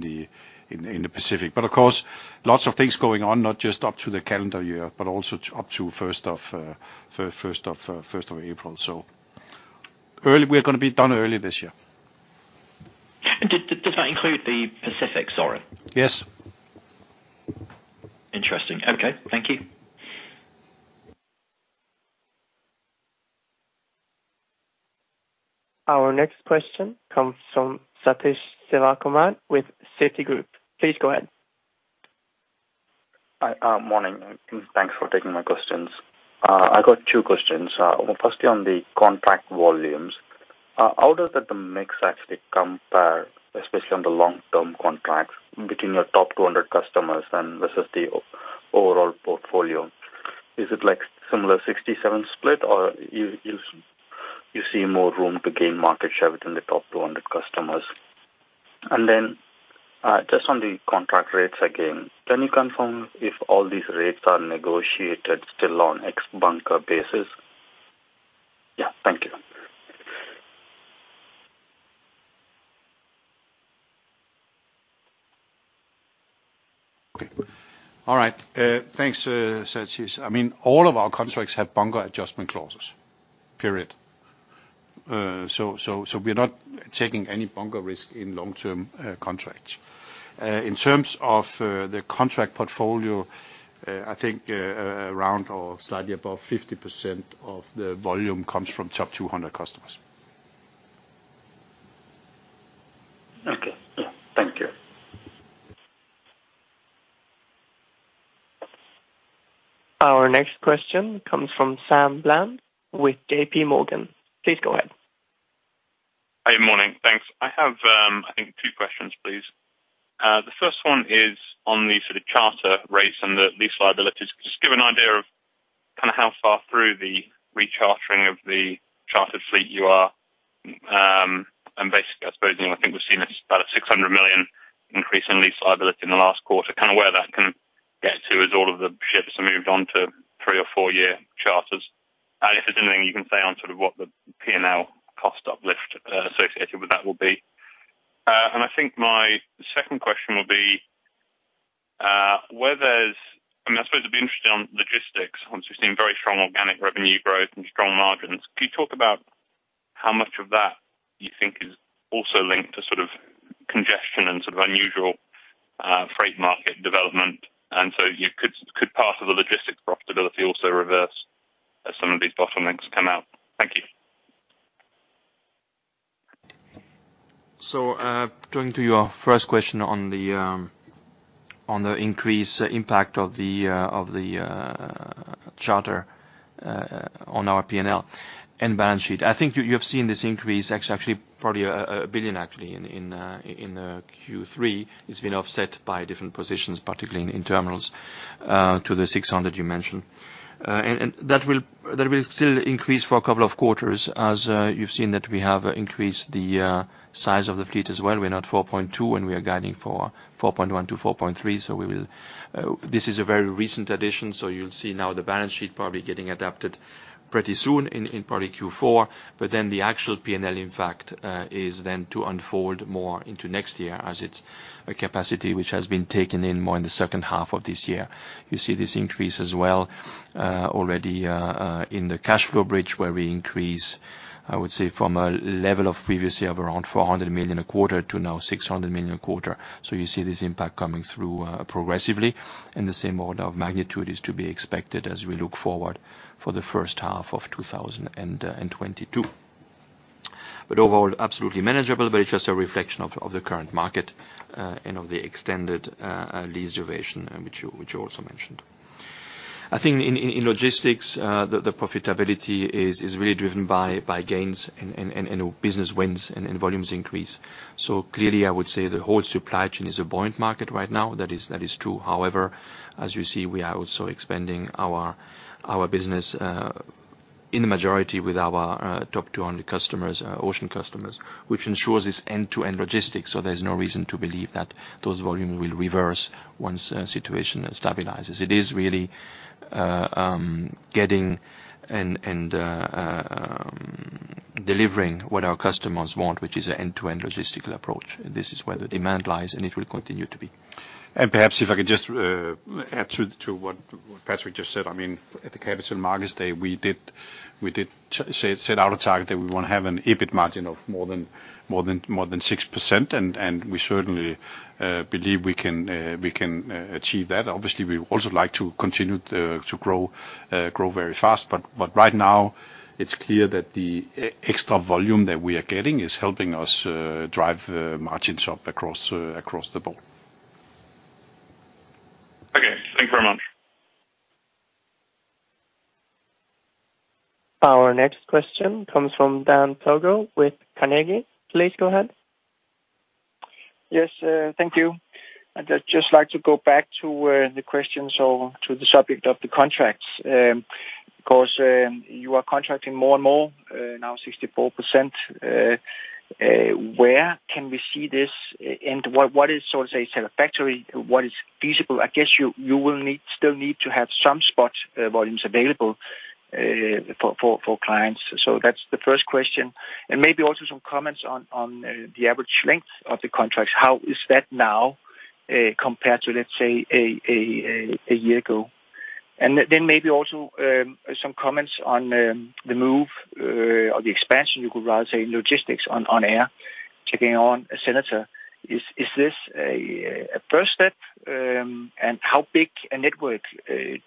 the Pacific. Of course, lots of things going on, not just up to the calendar year, but also up to first of April. Early, we're gonna be done early this year. Does that include the Pacific, Søren? Yes. Interesting. Okay, thank you. Our next question comes from Sathish Sivakumar with Citigroup. Please go ahead. Hi. Morning, and thanks for taking my questions. I got two questions. Well, firstly, on the contract volumes, how does that mix actually compare, especially on the long-term contracts between your top 200 customers and versus the overall portfolio? Is it like similar 67 split, or you see more room to gain market share within the top 200 customers? Just on the contract rates, again, can you confirm if all these rates are negotiated still on ex-bunker basis? Yeah. Thank you. Thanks, Sathish. I mean, all of our contracts have bunker adjustment clauses. We're not taking any bunker risk in long-term contracts. In terms of the contract portfolio, I think around or slightly above 50% of the volume comes from top 200 customers. Okay. Yeah. Thank you. Our next question comes from Sam Bland with JPMorgan. Please go ahead. Hi. Morning. Thanks. I have, I think two questions, please. The first one is on the sort of charter rates and the lease liabilities. Just give an idea of kinda how far through the rechartering of the chartered fleet you are. And basically, I suppose, you know, I think we've seen this about a $600 million increase in lease liability in the last quarter, kind of where that can get to as all of the ships are moved on to three- or four-year charters. And if there's anything you can say on sort of what the P&L cost uplift associated with that will be. And I think my second question would be whether it's I mean, I suppose it'd be interesting on logistics, obviously seeing very strong organic revenue growth and strong margins. Can you talk about how much of that you think is also linked to sort of congestion and sort of unusual freight market development, and so you could part of the logistics profitability also reverse? As some of these bottlenecks come out. Thank you. Going to your first question on the increase impact of the charter on our P&L and balance sheet. I think you have seen this increase. It's actually probably $1 billion actually in Q3. It's been offset by different positions, particularly in terminals, to the $600 million you mentioned. That will still increase for a couple of quarters, as you've seen that we have increased the size of the fleet as well. We're now at 4.2, and we are guiding for 4.1-4.3, so we will. This is a very recent addition, so you'll see now the balance sheet probably getting adapted pretty soon, in probably Q4. The actual P&L impact is then to unfold more into next year as it's a capacity which has been taken in more in the second half of this year. You see this increase as well, already, in the cash flow bridge, where we increase, I would say, from a level of previously of around $400 million a quarter to now $600 million a quarter. You see this impact coming through, progressively. The same order of magnitude is to be expected as we look forward for the first half of 2022. Overall, absolutely manageable, but it's just a reflection of the current market and of the extended lease duration, which you also mentioned. I think in logistics, the profitability is really driven by gains and, you know, business wins and volumes increase. Clearly I would say the whole supply chain is a buoyant market right now. That is true. However, as you see, we are also expanding our business in the majority with our top 200 customers, ocean customers, which ensures it's end-to-end logistics, so there's no reason to believe that those volumes will reverse once the situation stabilizes. It is really getting and delivering what our customers want, which is an end-to-end logistical approach. This is where the demand lies, and it will continue to be. Perhaps if I could just add to what Patrick just said. I mean, at the Capital Markets Day, we did set out a target that we wanna have an EBIT margin of more than 6%. We certainly believe we can achieve that. Obviously we would also like to continue to grow very fast. Right now it's clear that the extra volume that we are getting is helping us drive margins up across the board. Okay. Thanks very much. Our next question comes from Dan Togo with Carnegie. Please go ahead. Yes, thank you. I'd just like to go back to the questions or to the subject of the contracts, 'cause you are contracting more and more, now 64%. Where can we see this and what is, so to say, satisfactory? What is feasible? I guess you will need, still need to have some spot volumes available for clients. That's the first question. Maybe also some comments on the average length of the contracts. How is that now compared to, let's say, a year ago? Maybe also some comments on the move or the expansion, you could rather say, in logistics on air taking on Senator. Is this a first step? How big a network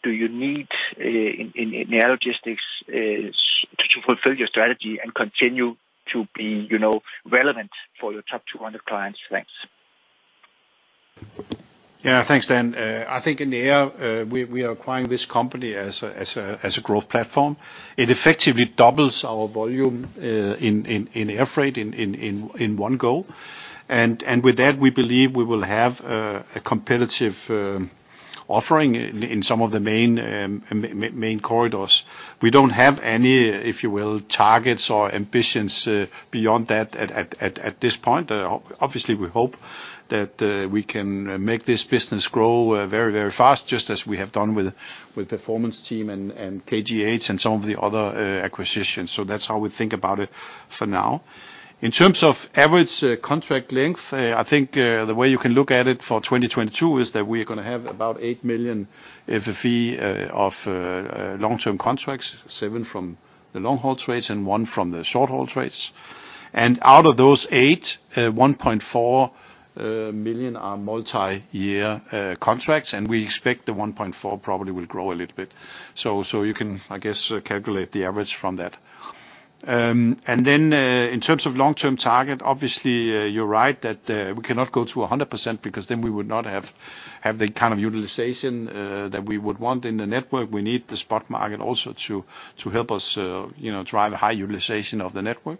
do you need in air logistics to fulfill your strategy and continue to be, you know, relevant for your top 200 clients? Thanks. Yeah. Thanks, Dan. I think in the air, we are acquiring this company as a growth platform. It effectively doubles our volume in air freight in one go. With that, we believe we will have a competitive offering in some of the main corridors. We don't have any, if you will, targets or ambitions beyond that at this point. Obviously we hope that we can make this business grow very fast, just as we have done with Performance Team and KGH and some of the other acquisitions. That's how we think about it for now. In terms of average contract length, I think the way you can look at it for 2022 is that we are gonna have about 8 million FFE of long-term contracts, seven from the long haul trades and one from the short haul trades. Out of those 8, 1.4 million are multi-year contracts. We expect the 1.4 probably will grow a little bit. You can, I guess, calculate the average from that. In terms of long-term target, obviously, you are right that we cannot go to 100% because then we would not have the kind of utilization that we would want in the network. We need the spot market also to help us, you know, drive a high utilization of the network.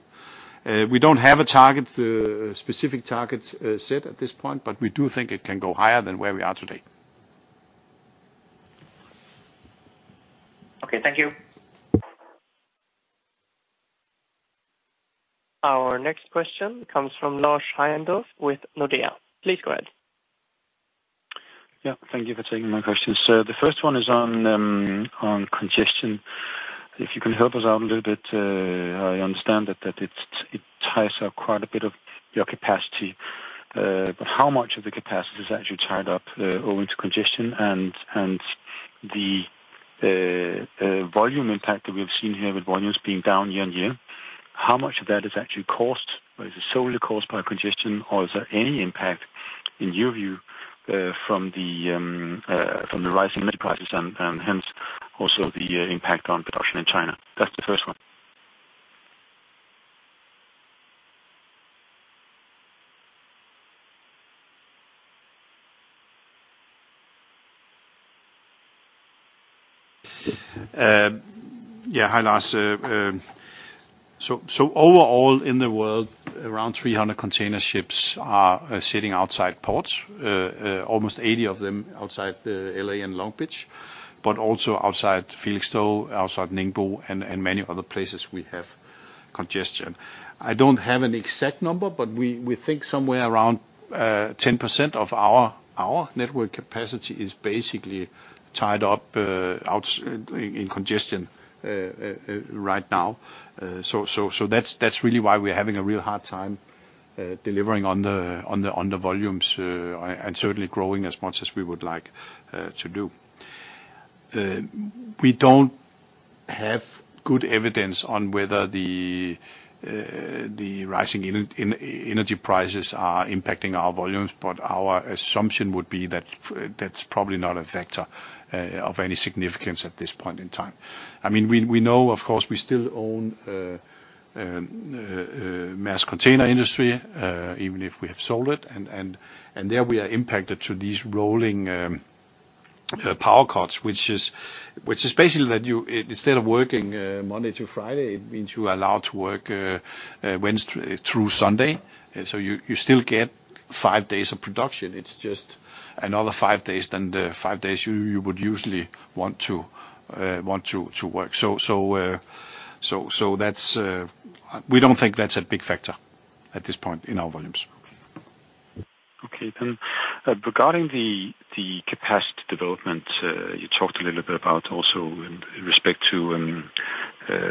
We don't have a specific target set at this point, but we do think it can go higher than where we are today. Okay. Thank you. Our next question comes from Lars Heindorff with Nordea. Please go ahead. Thank you for taking my questions. The first one is on congestion. If you can help us out a little bit, I understand that it ties up quite a bit of your capacity. But how much of the capacity is actually tied up owing to congestion and the volume impact that we have seen here with volumes being down year-over-year? How much of that is actually caused, or is it solely caused by congestion, or is there any impact, in your view, from the rising energy prices and hence also the impact on production in China? That's the first one. Yeah. Hi, Lars. So overall in the world, around 300 container ships are sitting outside ports. Almost 80 of them outside the L.A. and Long Beach, but also outside Felixstowe, outside Ningbo, and many other places we have congestion. I don't have an exact number, but we think somewhere around 10% of our network capacity is basically tied up out in congestion right now. That's really why we're having a real hard time delivering on the volumes and certainly growing as much as we would like to do. We don't have good evidence on whether the rising energy prices are impacting our volumes, but our assumption would be that that's probably not a factor of any significance at this point in time. I mean, we know, of course, we still own Maersk Container Industry, even if we have sold it. There we are impacted by these rolling power cuts, which is basically that instead of working Monday to Friday, it means you are allowed to work Wednesday through Sunday. You still get five days of production. It's just another five days than the five days you would usually want to work. We don't think that's a big factor at this point in our volumes. Regarding the capacity development, you talked a little bit about also in respect to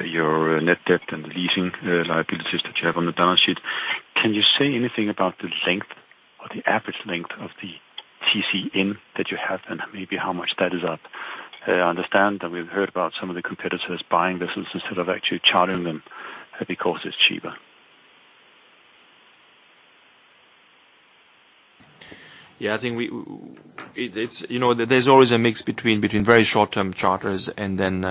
your net debt and the leasing liabilities that you have on the balance sheet. Can you say anything about the length or the average length of the TC that you have and maybe how much that is up? I understand that we've heard about some of the competitors buying vessels instead of actually chartering them because it's cheaper. Yeah, I think it's, you know, there's always a mix between very short term charters and then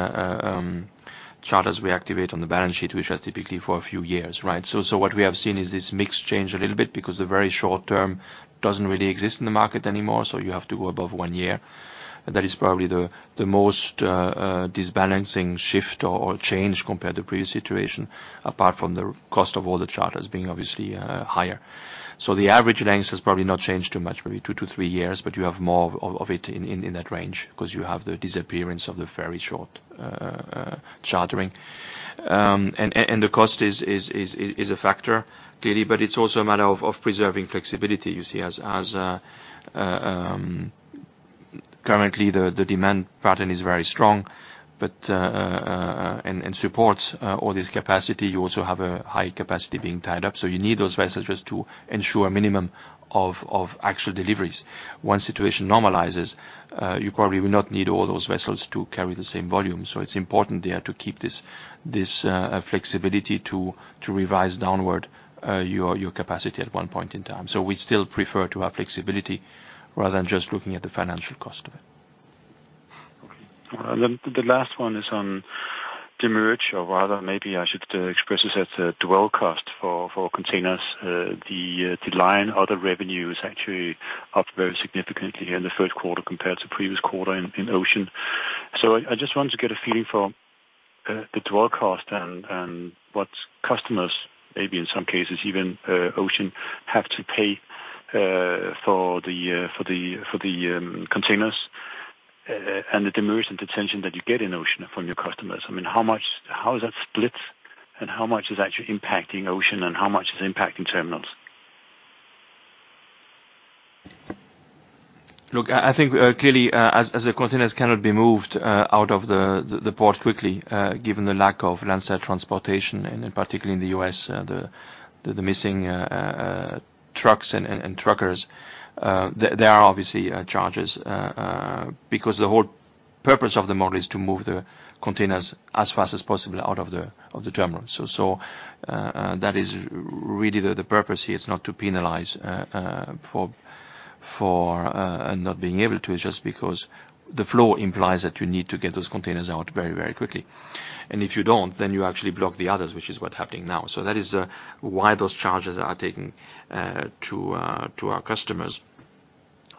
charters we activate on the balance sheet, which are typically for a few years, right? So what we have seen is this mix change a little bit because the very short term doesn't really exist in the market anymore, so you have to go above one year. That is probably the most disbalancing shift or change compared to previous situation, apart from the cost of all the charters being obviously higher. So the average length has probably not changed too much, maybe two-three years, but you have more of it in that range 'cause you have the disappearance of the very short chartering. The cost is a factor, clearly, but it's also a matter of preserving flexibility. You see, currently the demand pattern is very strong, but it supports all this capacity. You also have a high capacity being tied up, so you need those vessels just to ensure minimum of actual deliveries. Once situation normalizes, you probably will not need all those vessels to carry the same volume. It's important there to keep this flexibility to revise downward your capacity at one point in time. We still prefer to have flexibility rather than just looking at the financial cost of it. Okay. The last one is on demurrage, or rather, maybe I should express this as dwell cost for containers. The line other revenue is actually up very significantly in the third quarter compared to previous quarter in Ocean. I just wanted to get a feeling for the dwell cost and what customers, maybe in some cases, even Ocean, have to pay for the containers and the demurrage and detention that you get in Ocean from your customers. I mean, how much, how is that split and how much is actually impacting Ocean and how much is impacting terminals? Look, I think clearly, as the containers cannot be moved out of the port quickly, given the lack of landside transportation, and particularly in the U.S., the missing trucks and truckers, there are obviously charges, because the whole purpose of the model is to move the containers as fast as possible out of the terminal. That is really the purpose here. It's not to penalize for not being able to. It's just because the flow implies that you need to get those containers out very quickly. If you don't, then you actually block the others, which is what's happening now. That is why those charges are taken to our customers.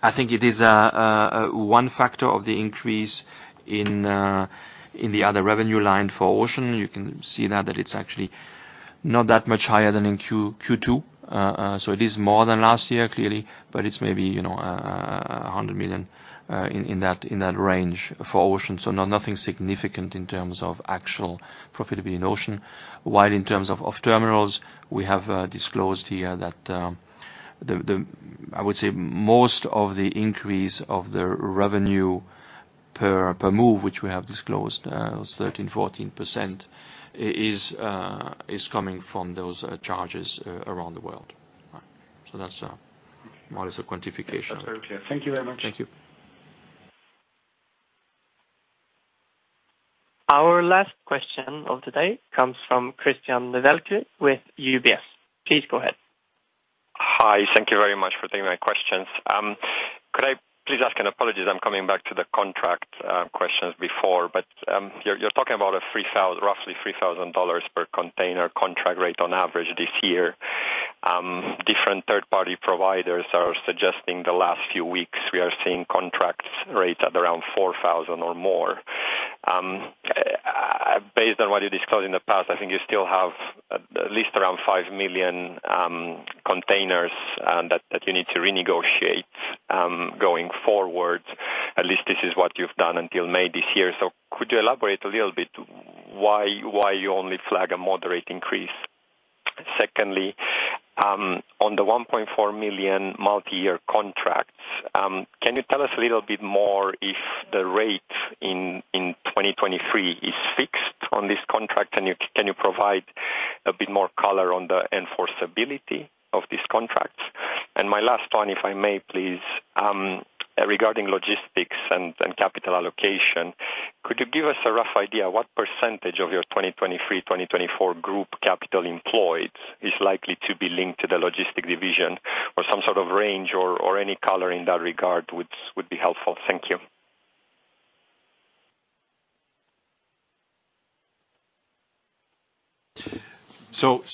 I think it is one factor of the increase in the other revenue line for Ocean. You can see now that it's actually not that much higher than in Q2. It is more than last year, clearly, but it's maybe, you know, $100 million in that range for Ocean. Nothing significant in terms of actual profitability in Ocean. While in terms of terminals, we have disclosed here that the, I would say most of the increase of the revenue per move, which we have disclosed, was 13%-14% is coming from those charges around the world. That's more or less a quantification. That's very clear. Thank you very much. Thank you. Our last question of the day comes from Cristian Nedelcu with UBS. Please go ahead. Hi, thank you very much for taking my questions. Could I please ask, and apologies, I'm coming back to the contract questions before. You're talking about roughly $3,000 per container contract rate on average this year. Different third-party providers are suggesting the last few weeks we are seeing contract rates at around $4,000 or more. Based on what you disclosed in the past, I think you still have at least around 5 million containers that you need to renegotiate going forward. At least this is what you've done until May this year. Could you elaborate a little bit why you only flag a moderate increase? Secondly, on the 1.4 million multi-year contracts, can you tell us a little bit more if the rate in 2023 is fixed on this contract? Can you provide a bit more color on the enforceability of these contracts? My last one, if I may, please, regarding logistics and capital allocation, could you give us a rough idea what percentage of your 2023/2024 group capital employed is likely to be linked to the logistics division, or some sort of range or any color in that regard would be helpful. Thank you.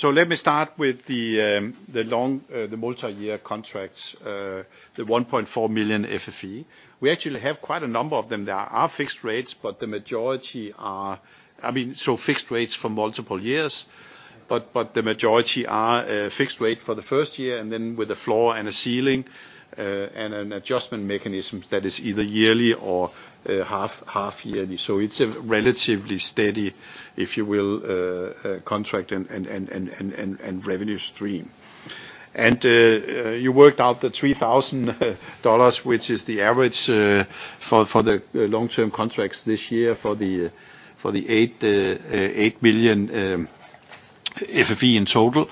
Let me start with the multi-year contracts, the 1.4 million FFE. We actually have quite a number of them that are fixed rates, but the majority are I mean fixed rates for multiple years, but the majority are fixed rate for the first year and then with a floor and a ceiling and an adjustment mechanism that is either yearly or half-yearly. It's a relatively steady, if you will, contract and revenue stream. You worked out the $3,000, which is the average for the long-term contracts this year for the 8 billion FFE in total.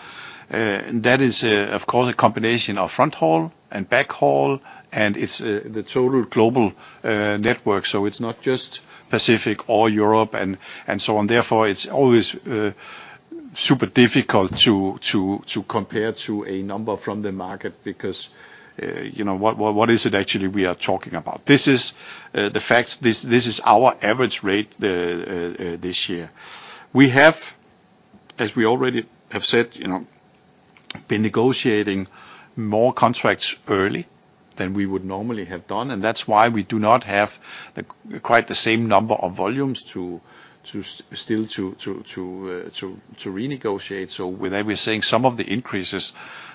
That is, of course, a combination of front haul and back haul, and it's the total global network. It's not just Pacific or Europe and so on. Therefore, it's always super difficult to compare to a number from the market because, you know, what is it actually we are talking about? This is the facts. This is our average rate this year. We have, as we already have said, you know, been negotiating more contracts early than we would normally have done, and that's why we do not have quite the same number of volumes to still renegotiate. When they were saying some of the increases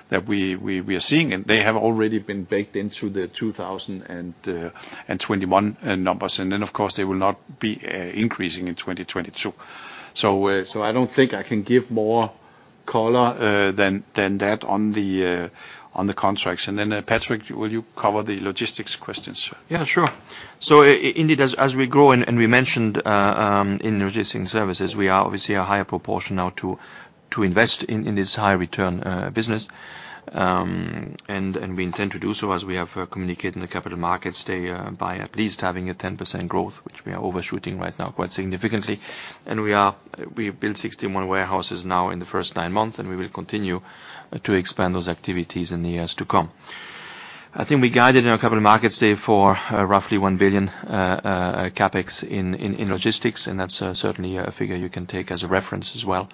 that we are seeing, and they have already been baked into the 2021 numbers, and then of course, they will not be increasing in 2022. I don't think I can give more color than that on the contracts. Then, Patrick, will you cover the logistics questions? Yeah, sure. Indeed, as we grow, and we mentioned in Logistics & Services, we are obviously a higher proportion now to invest in this high return business. We intend to do so, as we have communicated in the Capital Markets Day, by at least having a 10% growth, which we are overshooting right now quite significantly. We built 61 warehouses now in the first nine months, and we will continue to expand those activities in the years to come. I think we guided in our Capital Markets Day for roughly $1 billion CapEx in logistics, and that's certainly a figure you can take as a reference as well,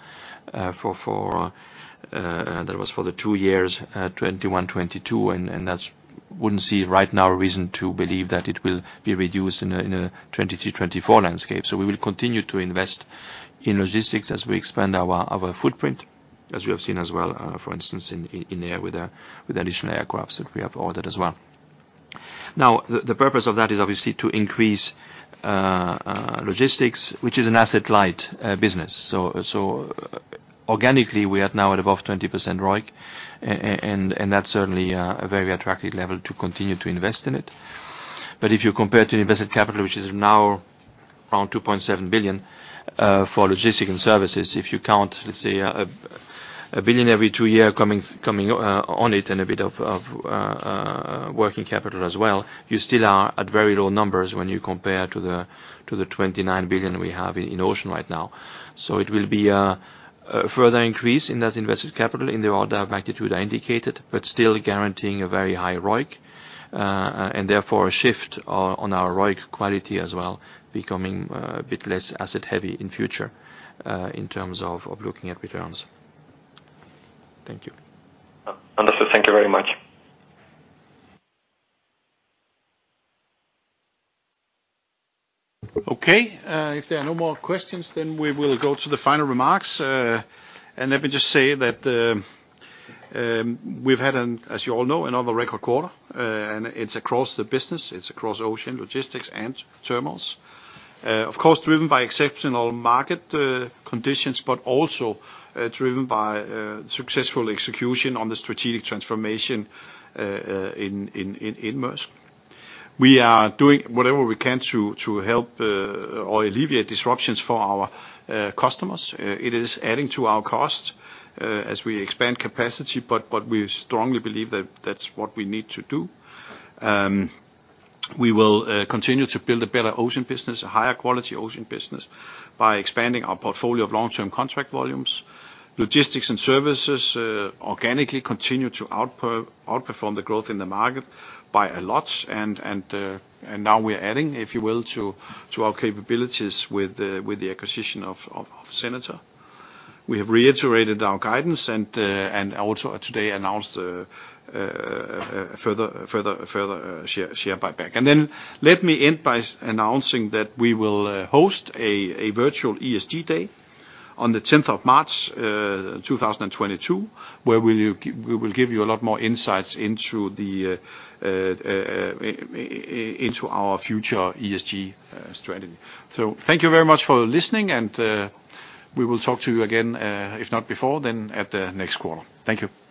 for that was for the two years, 2021, 2022, and that's. Wouldn't see right now a reason to believe that it will be reduced in a 2023, 2024 landscape. We will continue to invest in logistics as we expand our footprint, as you have seen as well, for instance, in air with additional aircraft that we have ordered as well. Now, the purpose of that is obviously to increase logistics, which is an asset-light business. Organically, we are now at above 20% ROIC, and that's certainly a very attractive level to continue to invest in it. If you compare to invested capital, which is now around $2.7 billion for Logistics & Services, if you count, let's say $1 billion every two years coming on it and a bit of working capital as well, you still are at very low numbers when you compare to the $29 billion we have in Ocean right now. It will be a further increase in that invested capital in the order of magnitude I indicated, but still guaranteeing a very high ROIC and therefore a shift on our ROIC quality as well, becoming a bit less asset heavy in future in terms of looking at returns. Thank you. Understood. Thank you very much. Okay. If there are no more questions, then we will go to the final remarks. Let me just say that we've had, as you all know, another record quarter, and it's across the business, it's across Ocean, Logistics, and Terminals, of course driven by exceptional market conditions, but also driven by successful execution on the strategic transformation in Maersk. We are doing whatever we can to help or alleviate disruptions for our customers. It is adding to our cost as we expand capacity, but we strongly believe that that's what we need to do. We will continue to build a better Ocean business, a higher quality Ocean business by expanding our portfolio of long-term contract volumes. Logistics & Services organically continue to outperform the growth in the market by a lot, and now we're adding, if you will, to our capabilities with the acquisition of Senator. We have reiterated our guidance and also today announced further share buyback. Let me end by announcing that we will host a virtual ESG day on the 10th of March 2022, where we will give you a lot more insights into our future ESG strategy. Thank you very much for listening, and we will talk to you again, if not before, then at the next quarter. Thank you.